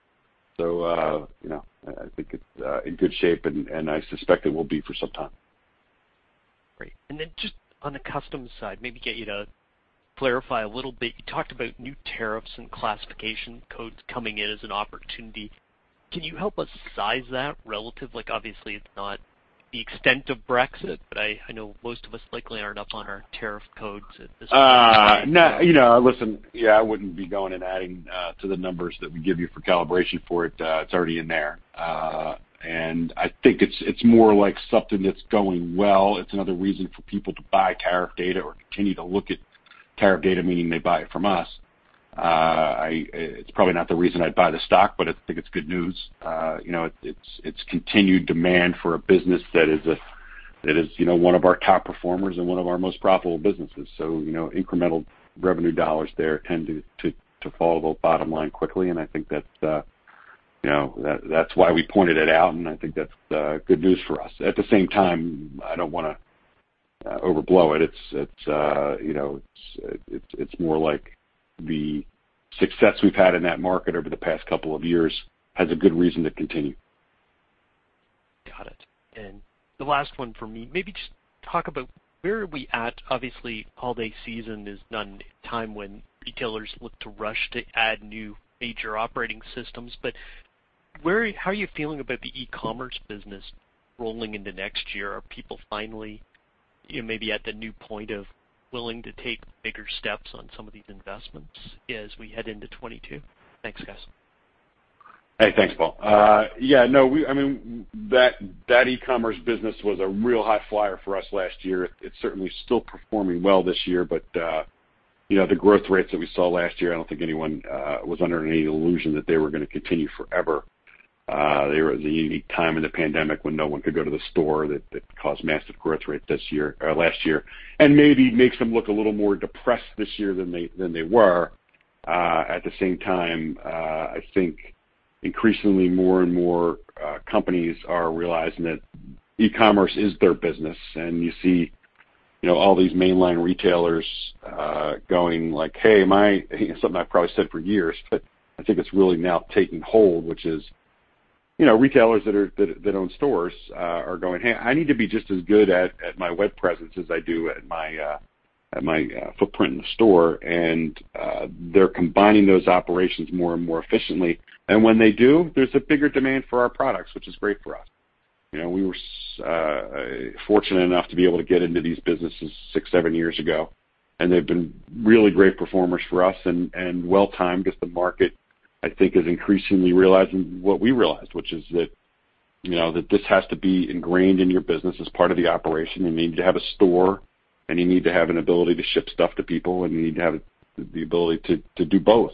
You know, I think it's in good shape and I suspect it will be for some time. Great. Just on the customs side, maybe get you to clarify a little bit. You talked about new tariffs and classification codes coming in as an opportunity. Can you help us size that relative, like, obviously it's not the extent of Brexit, but I know most of us likely aren't up on our tariff codes at this point. No. You know, listen, yeah, I wouldn't be going and adding to the numbers that we give you for calibration for it. It's already in there. I think it's more like something that's going well. It's another reason for people to buy tariff data or continue to look at tariff data, meaning they buy it from us. It's probably not the reason I'd buy the stock, but I think it's good news. You know, it's continued demand for a business that is a, that is, you know, one of our top performers and one of our most profitable businesses. You know, incremental revenue dollars there tend to fall to the bottom line quickly. I think that's why we pointed it out, and I think that's good news for us. At the same time, I don't wanna overblow it. It's, you know, it's more like the success we've had in that market over the past couple of years has a good reason to continue. Got it. The last one for me, maybe just talk about where are we at. Obviously, holiday season is not a time when retailers look to rush to add new major operating systems. Where, how are you feeling about the e-commerce business rolling into next year? Are people finally, you know, maybe at the new point of willing to take bigger steps on some of these investments as we head into 2022? Thanks, guys. Hey, thanks, Paul. Yeah, no. I mean, that e-commerce business was a real high-flier for us last year. It's certainly still performing well this year, but you know, the growth rates that we saw last year, I don't think anyone was under any illusion that they were gonna continue forever. They were the unique time in the pandemic when no one could go to the store that caused massive growth rate this year or last year, and maybe makes them look a little more depressed this year than they were. At the same time, I think increasingly more and more companies are realizing that e-commerce is their business. You see, you know, all these mainline retailers going like, "Hey, my..." Something I've probably said for years, but I think it's really now taking hold, which is, you know, retailers that own stores are going, "Hey, I need to be just as good at my web presence as I do at my footprint in the store." They're combining those operations more and more efficiently. When they do, there's a bigger demand for our products, which is great for us. You know, we were fortunate enough to be able to get into these businesses six, seven years ago, and they've been really great performers for us and well-timed because the market, I think, is increasingly realizing what we realized, which is that, you know, that this has to be ingrained in your business as part of the operation. You need to have a store, and you need to have an ability to ship stuff to people, and you need to have the ability to do both,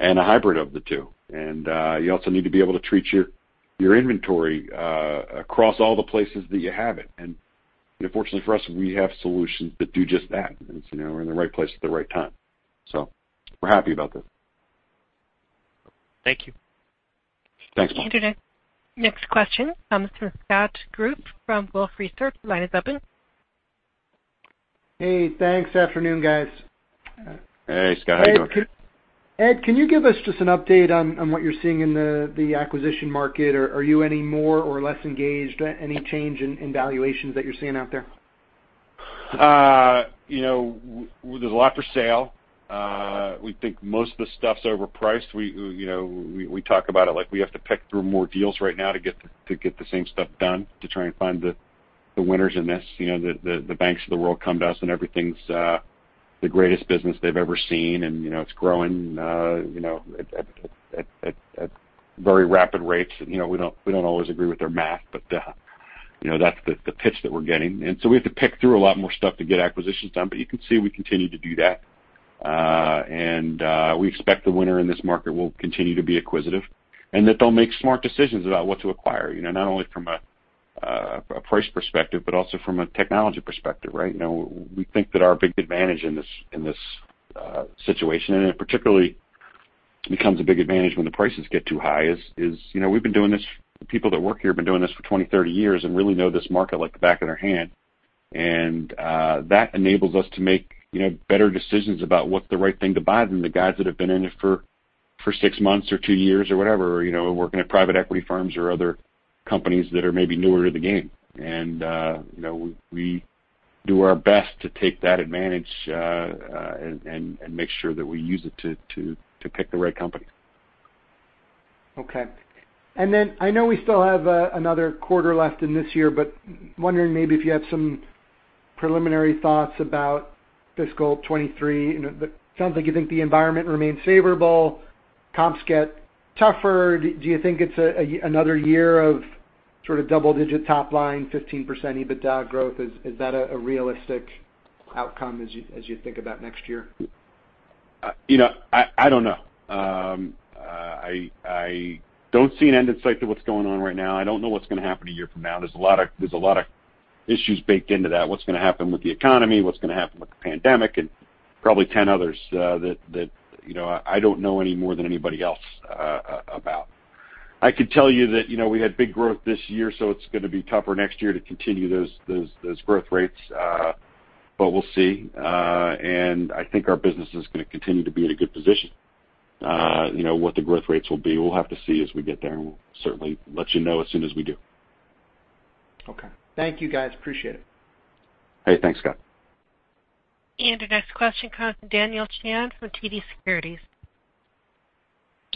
and a hybrid of the two. You also need to be able to treat your inventory across all the places that you have it. You know, fortunately for us, we have solutions that do just that. Now we're in the right place at the right time. We're happy about this. Thank you. Thanks, Paul. Our next question comes from Scott Group from Wolfe Research. Line is open. Hey, thanks. Afternoon, guys. Hey, Scott. How you doing? Ed, can you give us just an update on what you're seeing in the acquisition market? Are you any more or less engaged? Any change in valuations that you're seeing out there? You know, there's a lot for sale. We think most of the stuff's overpriced. You know, we talk about it like we have to pick through more deals right now to get the same stuff done to try and find the winners in this. You know, the banks of the world come to us, and everything's the greatest business they've ever seen. You know, it's growing at very rapid rates. You know, we don't always agree with their math, but you know, that's the pitch that we're getting. We have to pick through a lot more stuff to get acquisitions done. You can see we continue to do that. We expect the winner in this market will continue to be acquisitive and that they'll make smart decisions about what to acquire, you know, not only from a price perspective, but also from a technology perspective, right? You know, we think that our big advantage in this situation, and it particularly becomes a big advantage when the prices get too high, is you know, we've been doing this, the people that work here have been doing this for 20, 30 years and really know this market like the back of their hand. That enables us to make, you know, better decisions about what the right thing to buy than the guys that have been in it for six months or two years or whatever, you know, working at private equity firms or other companies that are maybe newer to the game. You know, we do our best to take that advantage and make sure that we use it to pick the right company. Okay. I know we still have another quarter left in this year, but wondering maybe if you have some preliminary thoughts about fiscal 2023. You know, it sounds like you think the environment remains favorable, comps get tougher. Do you think it's another year of sort of double-digit top line, 15% EBITDA growth? Is that a realistic outcome as you think about next year? You know, I don't know. I don't see an end in sight to what's going on right now. I don't know what's gonna happen a year from now. There's a lot of issues baked into that. What's gonna happen with the economy? What's gonna happen with the pandemic? Probably 10 others that you know I don't know any more than anybody else about. I could tell you that you know we had big growth this year, so it's gonna be tougher next year to continue those growth rates. We'll see. I think our business is gonna continue to be in a good position. You know, what the growth rates will be, we'll have to see as we get there, and we'll certainly let you know as soon as we do. Okay. Thank you guys. Appreciate it. Hey, thanks, Scott. The next question comes from Daniel Chan from TD Securities.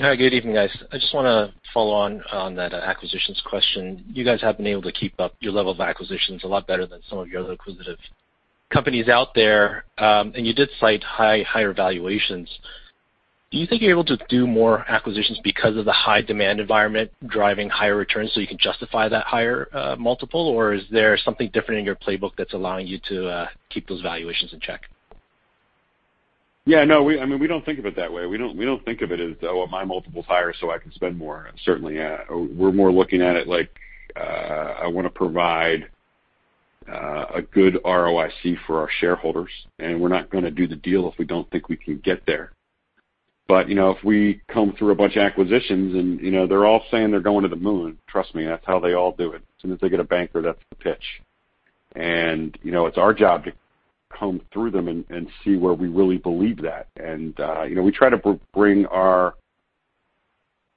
Hi, good evening, guys. I just wanna follow on that acquisitions question. You guys have been able to keep up your level of acquisitions a lot better than some of your other acquisitive companies out there. You did cite higher valuations. Do you think you're able to do more acquisitions because of the high demand environment driving higher returns, so you can justify that higher multiple? Or is there something different in your playbook that's allowing you to keep those valuations in check? Yeah, no. I mean, we don't think of it that way. We don't think of it as, oh, well my multiple's higher, so I can spend more. Certainly, we're more looking at it like, I wanna provide a good ROIC for our shareholders, and we're not gonna do the deal if we don't think we can get there. You know, if we comb through a bunch of acquisitions, and you know, they're all saying they're going to the moon. Trust me, that's how they all do it. As soon as they get a banker, that's the pitch. You know, it's our job to comb through them and see where we really believe that. You know, we try to bring our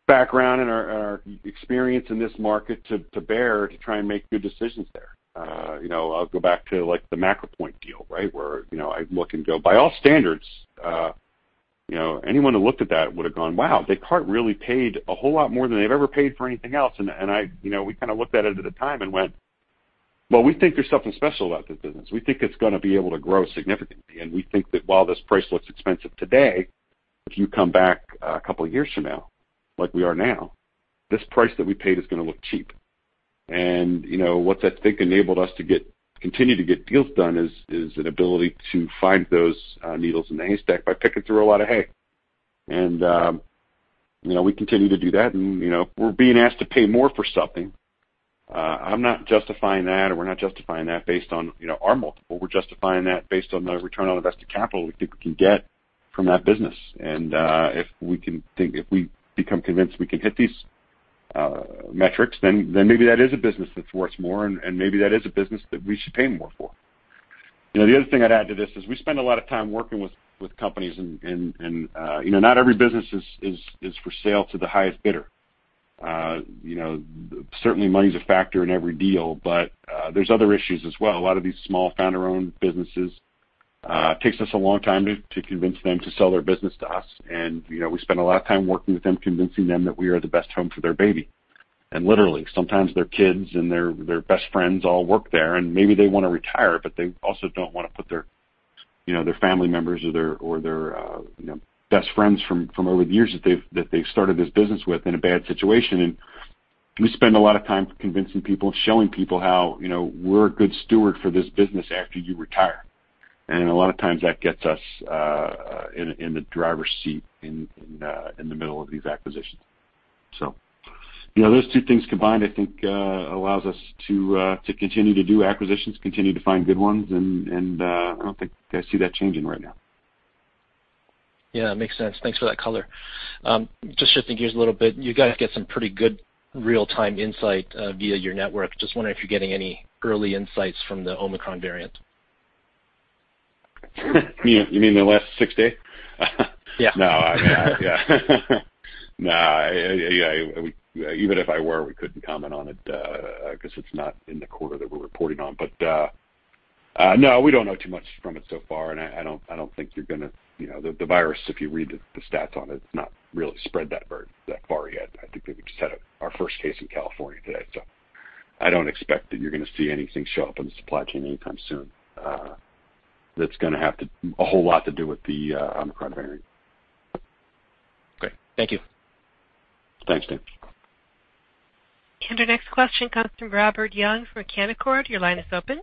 background and our experience in this market to bear to try and make good decisions there. You know, I'll go back to, like, the MacroPoint deal, right? Where, you know, I look and go, by all standards, you know, anyone who looked at that would've gone, "Wow, Descartes really paid a whole lot more than they've ever paid for anything else." I, you know, we kind of looked at it at the time and went, "Well, we think there's something special about this business. We think it's gonna be able to grow significantly, and we think that while this price looks expensive today, if you come back a couple years from now, like we are now, this price that we paid is gonna look cheap." You know, what that I think enabled us to get, continue to get deals done is an ability to find those, needles in the haystack by picking through a lot of hay. You know, we continue to do that, and, you know, if we're being asked to pay more for something, I'm not justifying that, or we're not justifying that based on, you know, our multiple. We're justifying that based on the return on invested capital we think we can get from that business. If we become convinced we can hit these metrics, then maybe that is a business that's worth more, and maybe that is a business that we should pay more for. You know, the other thing I'd add to this is we spend a lot of time working with companies, and you know, not every business is for sale to the highest bidder. You know, certainly money's a factor in every deal, but there's other issues as well. A lot of these small founder-owned businesses takes us a long time to convince them to sell their business to us. You know, we spend a lot of time working with them, convincing them that we are the best home for their baby. Literally, sometimes their kids and their best friends all work there, and maybe they wanna retire, but they also don't wanna put their you know their family members or their best friends from over the years that they've started this business with in a bad situation. We spend a lot of time convincing people and showing people how you know we're a good steward for this business after you retire. A lot of times that gets us in the driver's seat in the middle of these acquisitions. You know, those two things combined, I think, allows us to continue to do acquisitions, continue to find good ones, and I don't think I see that changing right now. Yeah, makes sense. Thanks for that color. Just shifting gears a little bit, you guys get some pretty good real-time insight via your network. Just wondering if you're getting any early insights from the Omicron variant? You mean in the last six days? Yeah. No, I mean, even if I were, we couldn't comment on it, 'cause it's not in the quarter that we're reporting on. No, we don't know too much from it so far, and I don't think you're gonna. You know, the virus, if you read the stats on it's not really spread that far yet. I think we just had our first case in California today. I don't expect that you're gonna see anything show up in the supply chain anytime soon, that's gonna have a whole lot to do with the Omicron variant. Great. Thank you. Thanks, Dan. Our next question comes from Robert Young from Canaccord. Your line is open.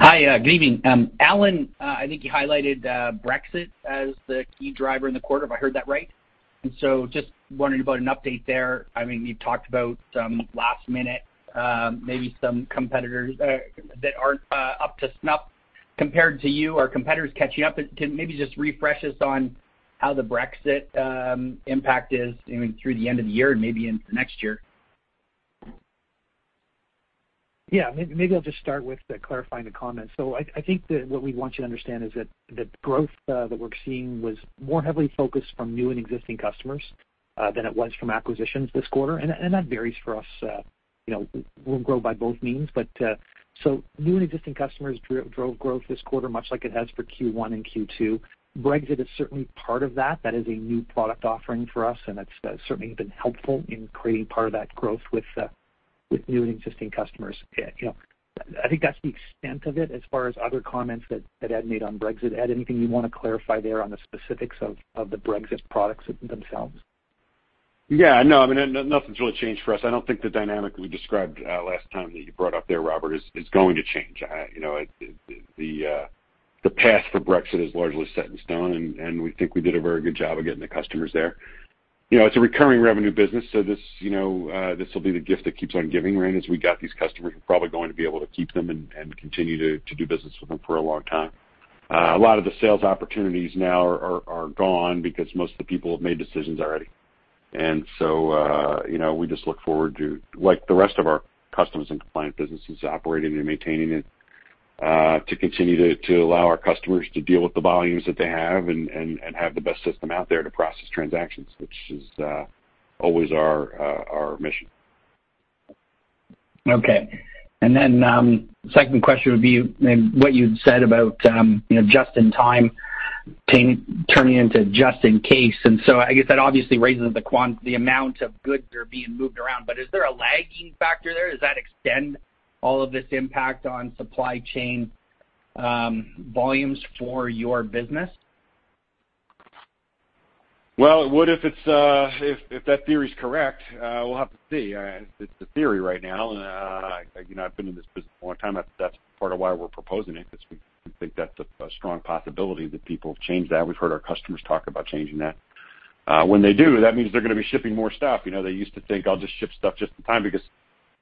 Hi, good evening. Allan, I think you highlighted Brexit as the key driver in the quarter, if I heard that right. Just wondering about an update there. I mean, you've talked about some last minute, maybe some competitors that aren't up to snuff compared to you. Are competitors catching up? Maybe just refresh us on how the Brexit impact is, you know, through the end of the year and maybe in next year. Yeah. Maybe I'll just start with clarifying the comments. I think that what we'd want you to understand is that the growth that we're seeing was more heavily focused from new and existing customers than it was from acquisitions this quarter. That varies for us. You know, we'll grow by both means. New and existing customers drove growth this quarter, much like it has for Q1 and Q2. Brexit is certainly part of that. That is a new product offering for us, and it's certainly been helpful in creating part of that growth with new and existing customers. You know, I think that's the extent of it as far as other comments that Ed made on Brexit. Ed, anything you wanna clarify there on the specifics of the Brexit products themselves? Yeah, no, I mean, nothing's really changed for us. I don't think the dynamic we described last time that you brought up there, Robert, is going to change. You know, the path for Brexit is largely set in stone, and we think we did a very good job of getting the customers there. You know, it's a recurring revenue business, so this, you know, this will be the gift that keeps on giving, right? As we got these customers, we're probably going to be able to keep them and continue to do business with them for a long time. A lot of the sales opportunities now are gone because most of the people have made decisions already. You know, we just look forward to, like the rest of our customs and compliance businesses operating and maintaining it to continue to allow our customers to deal with the volumes that they have and have the best system out there to process transactions, which is always our mission. Okay. Second question would be maybe what you'd said about, you know, just-in-time turning into just-in-case. I guess that obviously raises the amount of goods that are being moved around. Is there a lagging factor there? Does that extend all of this impact on supply chain volumes for your business? Well, it would if that theory's correct, we'll have to see. It's a theory right now. You know, I've been in this business a long time. That's part of why we're proposing it, because we think that's a strong possibility that people have changed that. We've heard our customers talk about changing that. When they do, that means they're gonna be shipping more stuff. You know, they used to think, "I'll just ship stuff just in time because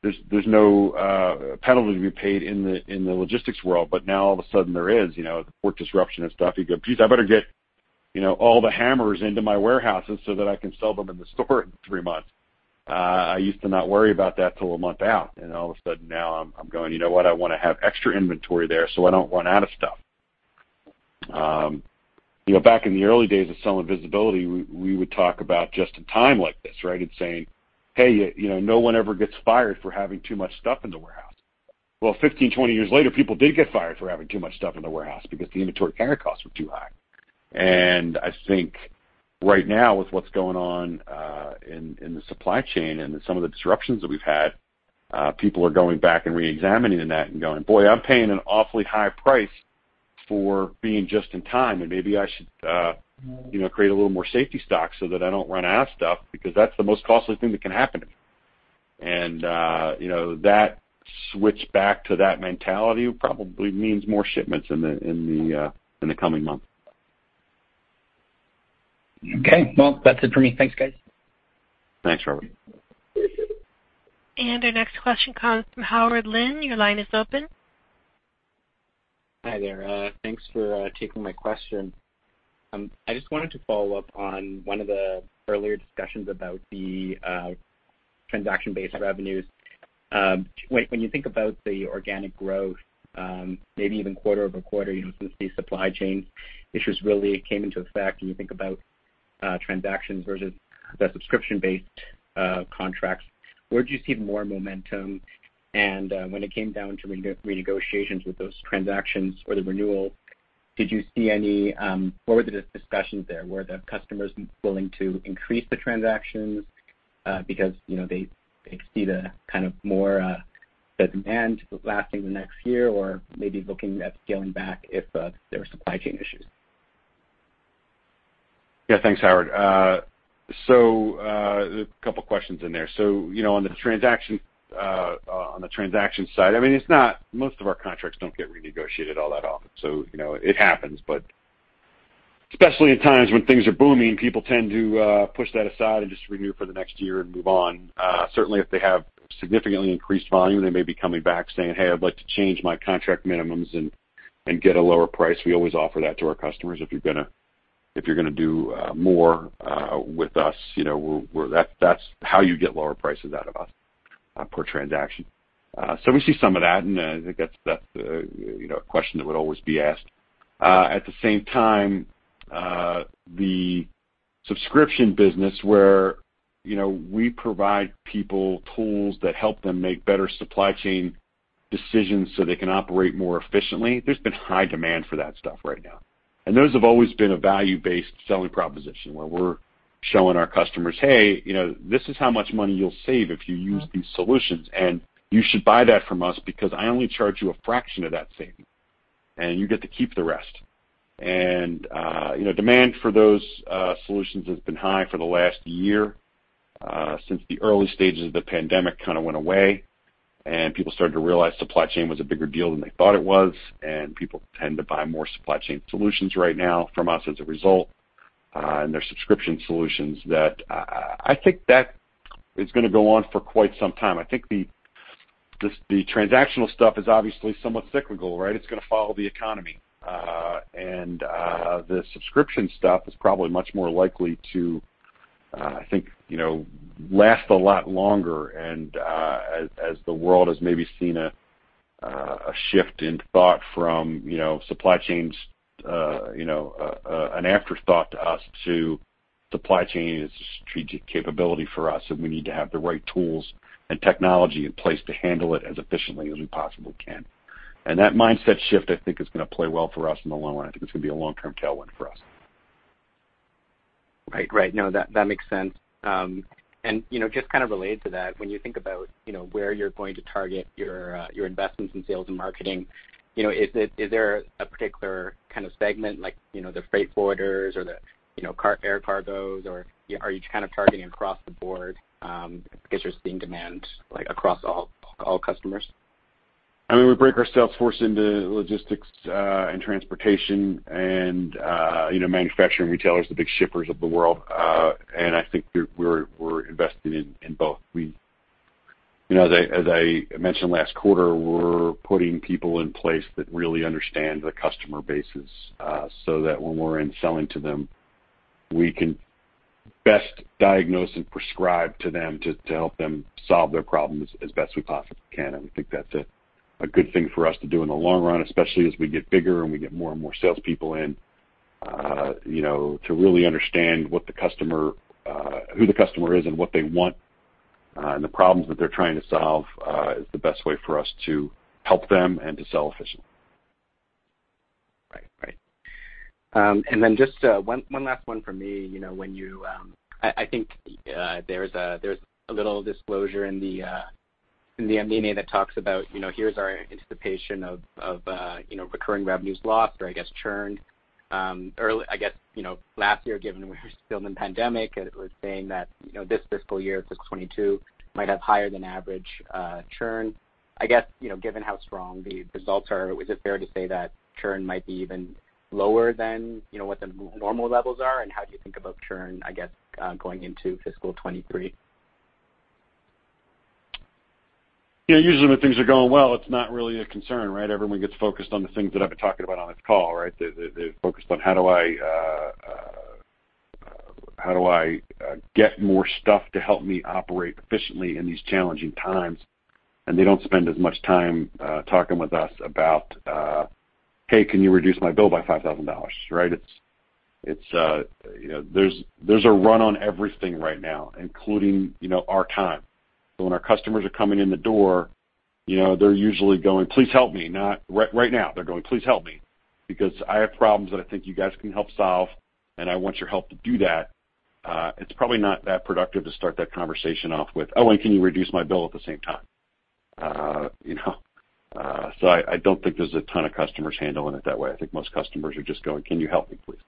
there's no penalty to be paid in the logistics world." Now all of a sudden there is. You know, the port disruption and stuff, you go, "Geez, I better get all the hammers into my warehouses so that I can sell them in the store in three months. I used to not worry about that till a month out, and all of a sudden now I'm going, you know what, I wanna have extra inventory there, so I don't run out of stuff." You know, back in the early days of selling visibility, we would talk about just-in-time like this, right? It's saying, "Hey, you know, no one ever gets fired for having too much stuff in the warehouse." Well, 15, 20 years later, people did get fired for having too much stuff in the warehouse because the inventory carry costs were too high. I think right now with what's going on, in the supply chain and some of the disruptions that we've had, people are going back and reexamining that and going, "Boy, I'm paying an awfully high price for being just-in-time, and maybe I should, you know, create a little more safety stock so that I don't run out of stuff because that's the most costly thing that can happen to me." You know, that switch back to that mentality probably means more shipments in the coming months. Okay. Well, that's it for me. Thanks, guys. Thanks, Robert. Our next question comes from Howard Lin. Your line is open. Hi there. Thanks for taking my question. I just wanted to follow up on one of the earlier discussions about the transaction-based revenues. When you think about the organic growth, maybe even quarter-over-quarter, you know, since the supply chain issues really came into effect and you think about transactions versus the subscription-based contracts, where do you see more momentum? When it came down to renegotiations with those transactions or the renewal, did you see any? What were the discussions there? Were the customers willing to increase the transactions because, you know, they see the kind of more the demand lasting the next year or maybe looking at scaling back if there are supply chain issues? Yeah. Thanks, Howard. A couple questions in there. You know, on the transaction side, I mean, most of our contracts don't get renegotiated all that often. You know, it happens, but especially in times when things are booming, people tend to push that aside and just renew for the next year and move on. Certainly if they have significantly increased volume, they may be coming back saying, "Hey, I'd like to change my contract minimums and get a lower price." We always offer that to our customers. If you're gonna do more with us, you know, that's how you get lower prices out of us per transaction. We see some of that, and I think that's you know a question that would always be asked. At the same time, the subscription business where, you know, we provide people tools that help them make better supply chain decisions so they can operate more efficiently, there's been high demand for that stuff right now. Those have always been a value-based selling proposition, where we're showing our customers, "Hey, you know, this is how much money you'll save if you use these solutions, and you should buy that from us because I only charge you a fraction of that saving, and you get to keep the rest." You know, demand for those solutions has been high for the last year, since the early stages of the pandemic kind of went away and people started to realize supply chain was a bigger deal than they thought it was, and people tend to buy more supply chain solutions right now from us as a result. They're subscription solutions that I think is gonna go on for quite some time. I think the transactional stuff is obviously somewhat cyclical, right? It's gonna follow the economy. The subscription stuff is probably much more likely to, I think, you know, last a lot longer and, as the world has maybe seen a shift in thought from, you know, supply chains, you know, an afterthought to us, supply chain is a strategic capability for us, and we need to have the right tools and technology in place to handle it as efficiently as we possibly can. That mindset shift, I think, is gonna play well for us in the long run. I think it's gonna be a long-term tailwind for us. Right. No, that makes sense. You know, just kind of related to that, when you think about, you know, where you're going to target your investments in sales and marketing, you know, is there a particular kind of segment like, you know, the freight forwarders or the, you know, air cargos, or are you kind of targeting across the board, because you're seeing demand like across all customers? I mean, we break our sales force into logistics and transportation and, you know, manufacturing retailers, the big shippers of the world. I think we're investing in both. You know, as I mentioned last quarter, we're putting people in place that really understand the customer bases, so that when we're selling to them, we can best diagnose and prescribe to them to help them solve their problems as best we possibly can. We think that's a good thing for us to do in the long run, especially as we get bigger and we get more and more salespeople in, you know, to really understand what the customer, who the customer is and what they want, and the problems that they're trying to solve, is the best way for us to help them and to sell efficiently. Right. Just one last one for me. You know, when you, I think there's a little disclosure in the MDA that talks about, you know, here's our anticipation of recurring revenues lost or I guess churned, I guess, you know, last year, given we were still in the pandemic, it was saying that, you know, this fiscal year, fiscal 2022 might have higher than average churn. I guess, you know, given how strong the results are, is it fair to say that churn might be even lower than, you know, what the normal levels are? And how do you think about churn, I guess, going into fiscal 2023? Yeah, usually when things are going well, it's not really a concern, right? Everyone gets focused on the things that I've been talking about on this call, right? They're focused on how do I get more stuff to help me operate efficiently in these challenging times? They don't spend as much time talking with us about, "Hey, can you reduce my bill by $5,000," right? It's you know, there's a run on everything right now, including you know, our time. When our customers are coming in the door, you know, they're usually going, "Please help me." Right now, they're going, "Please help me because I have problems that I think you guys can help solve, and I want your help to do that." It's probably not that productive to start that conversation off with, "Oh, and can you reduce my bill at the same time?" You know. I don't think there's a ton of customers handling it that way. I think most customers are just going, "Can you help me, please?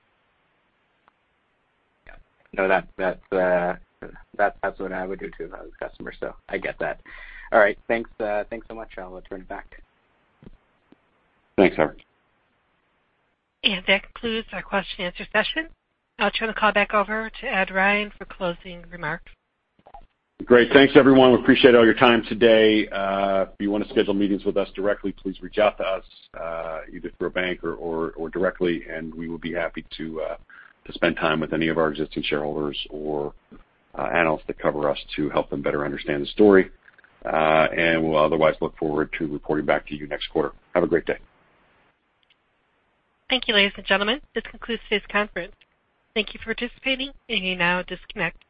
Yeah. No, that's what I would do too if I was a customer, so I get that. All right. Thanks so much. I'll turn it back. Thanks, Howard. That concludes our question and answer session. I'll turn the call back over to Ed Ryan for closing remarks. Great. Thanks, everyone. We appreciate all your time today. If you want to schedule meetings with us directly, please reach out to us, either through a bank or directly, and we will be happy to spend time with any of our existing shareholders or analysts that cover us to help them better understand the story. We'll otherwise look forward to reporting back to you next quarter. Have a great day. Thank you, ladies and gentlemen. This concludes today's conference. Thank you for participating. You may now disconnect.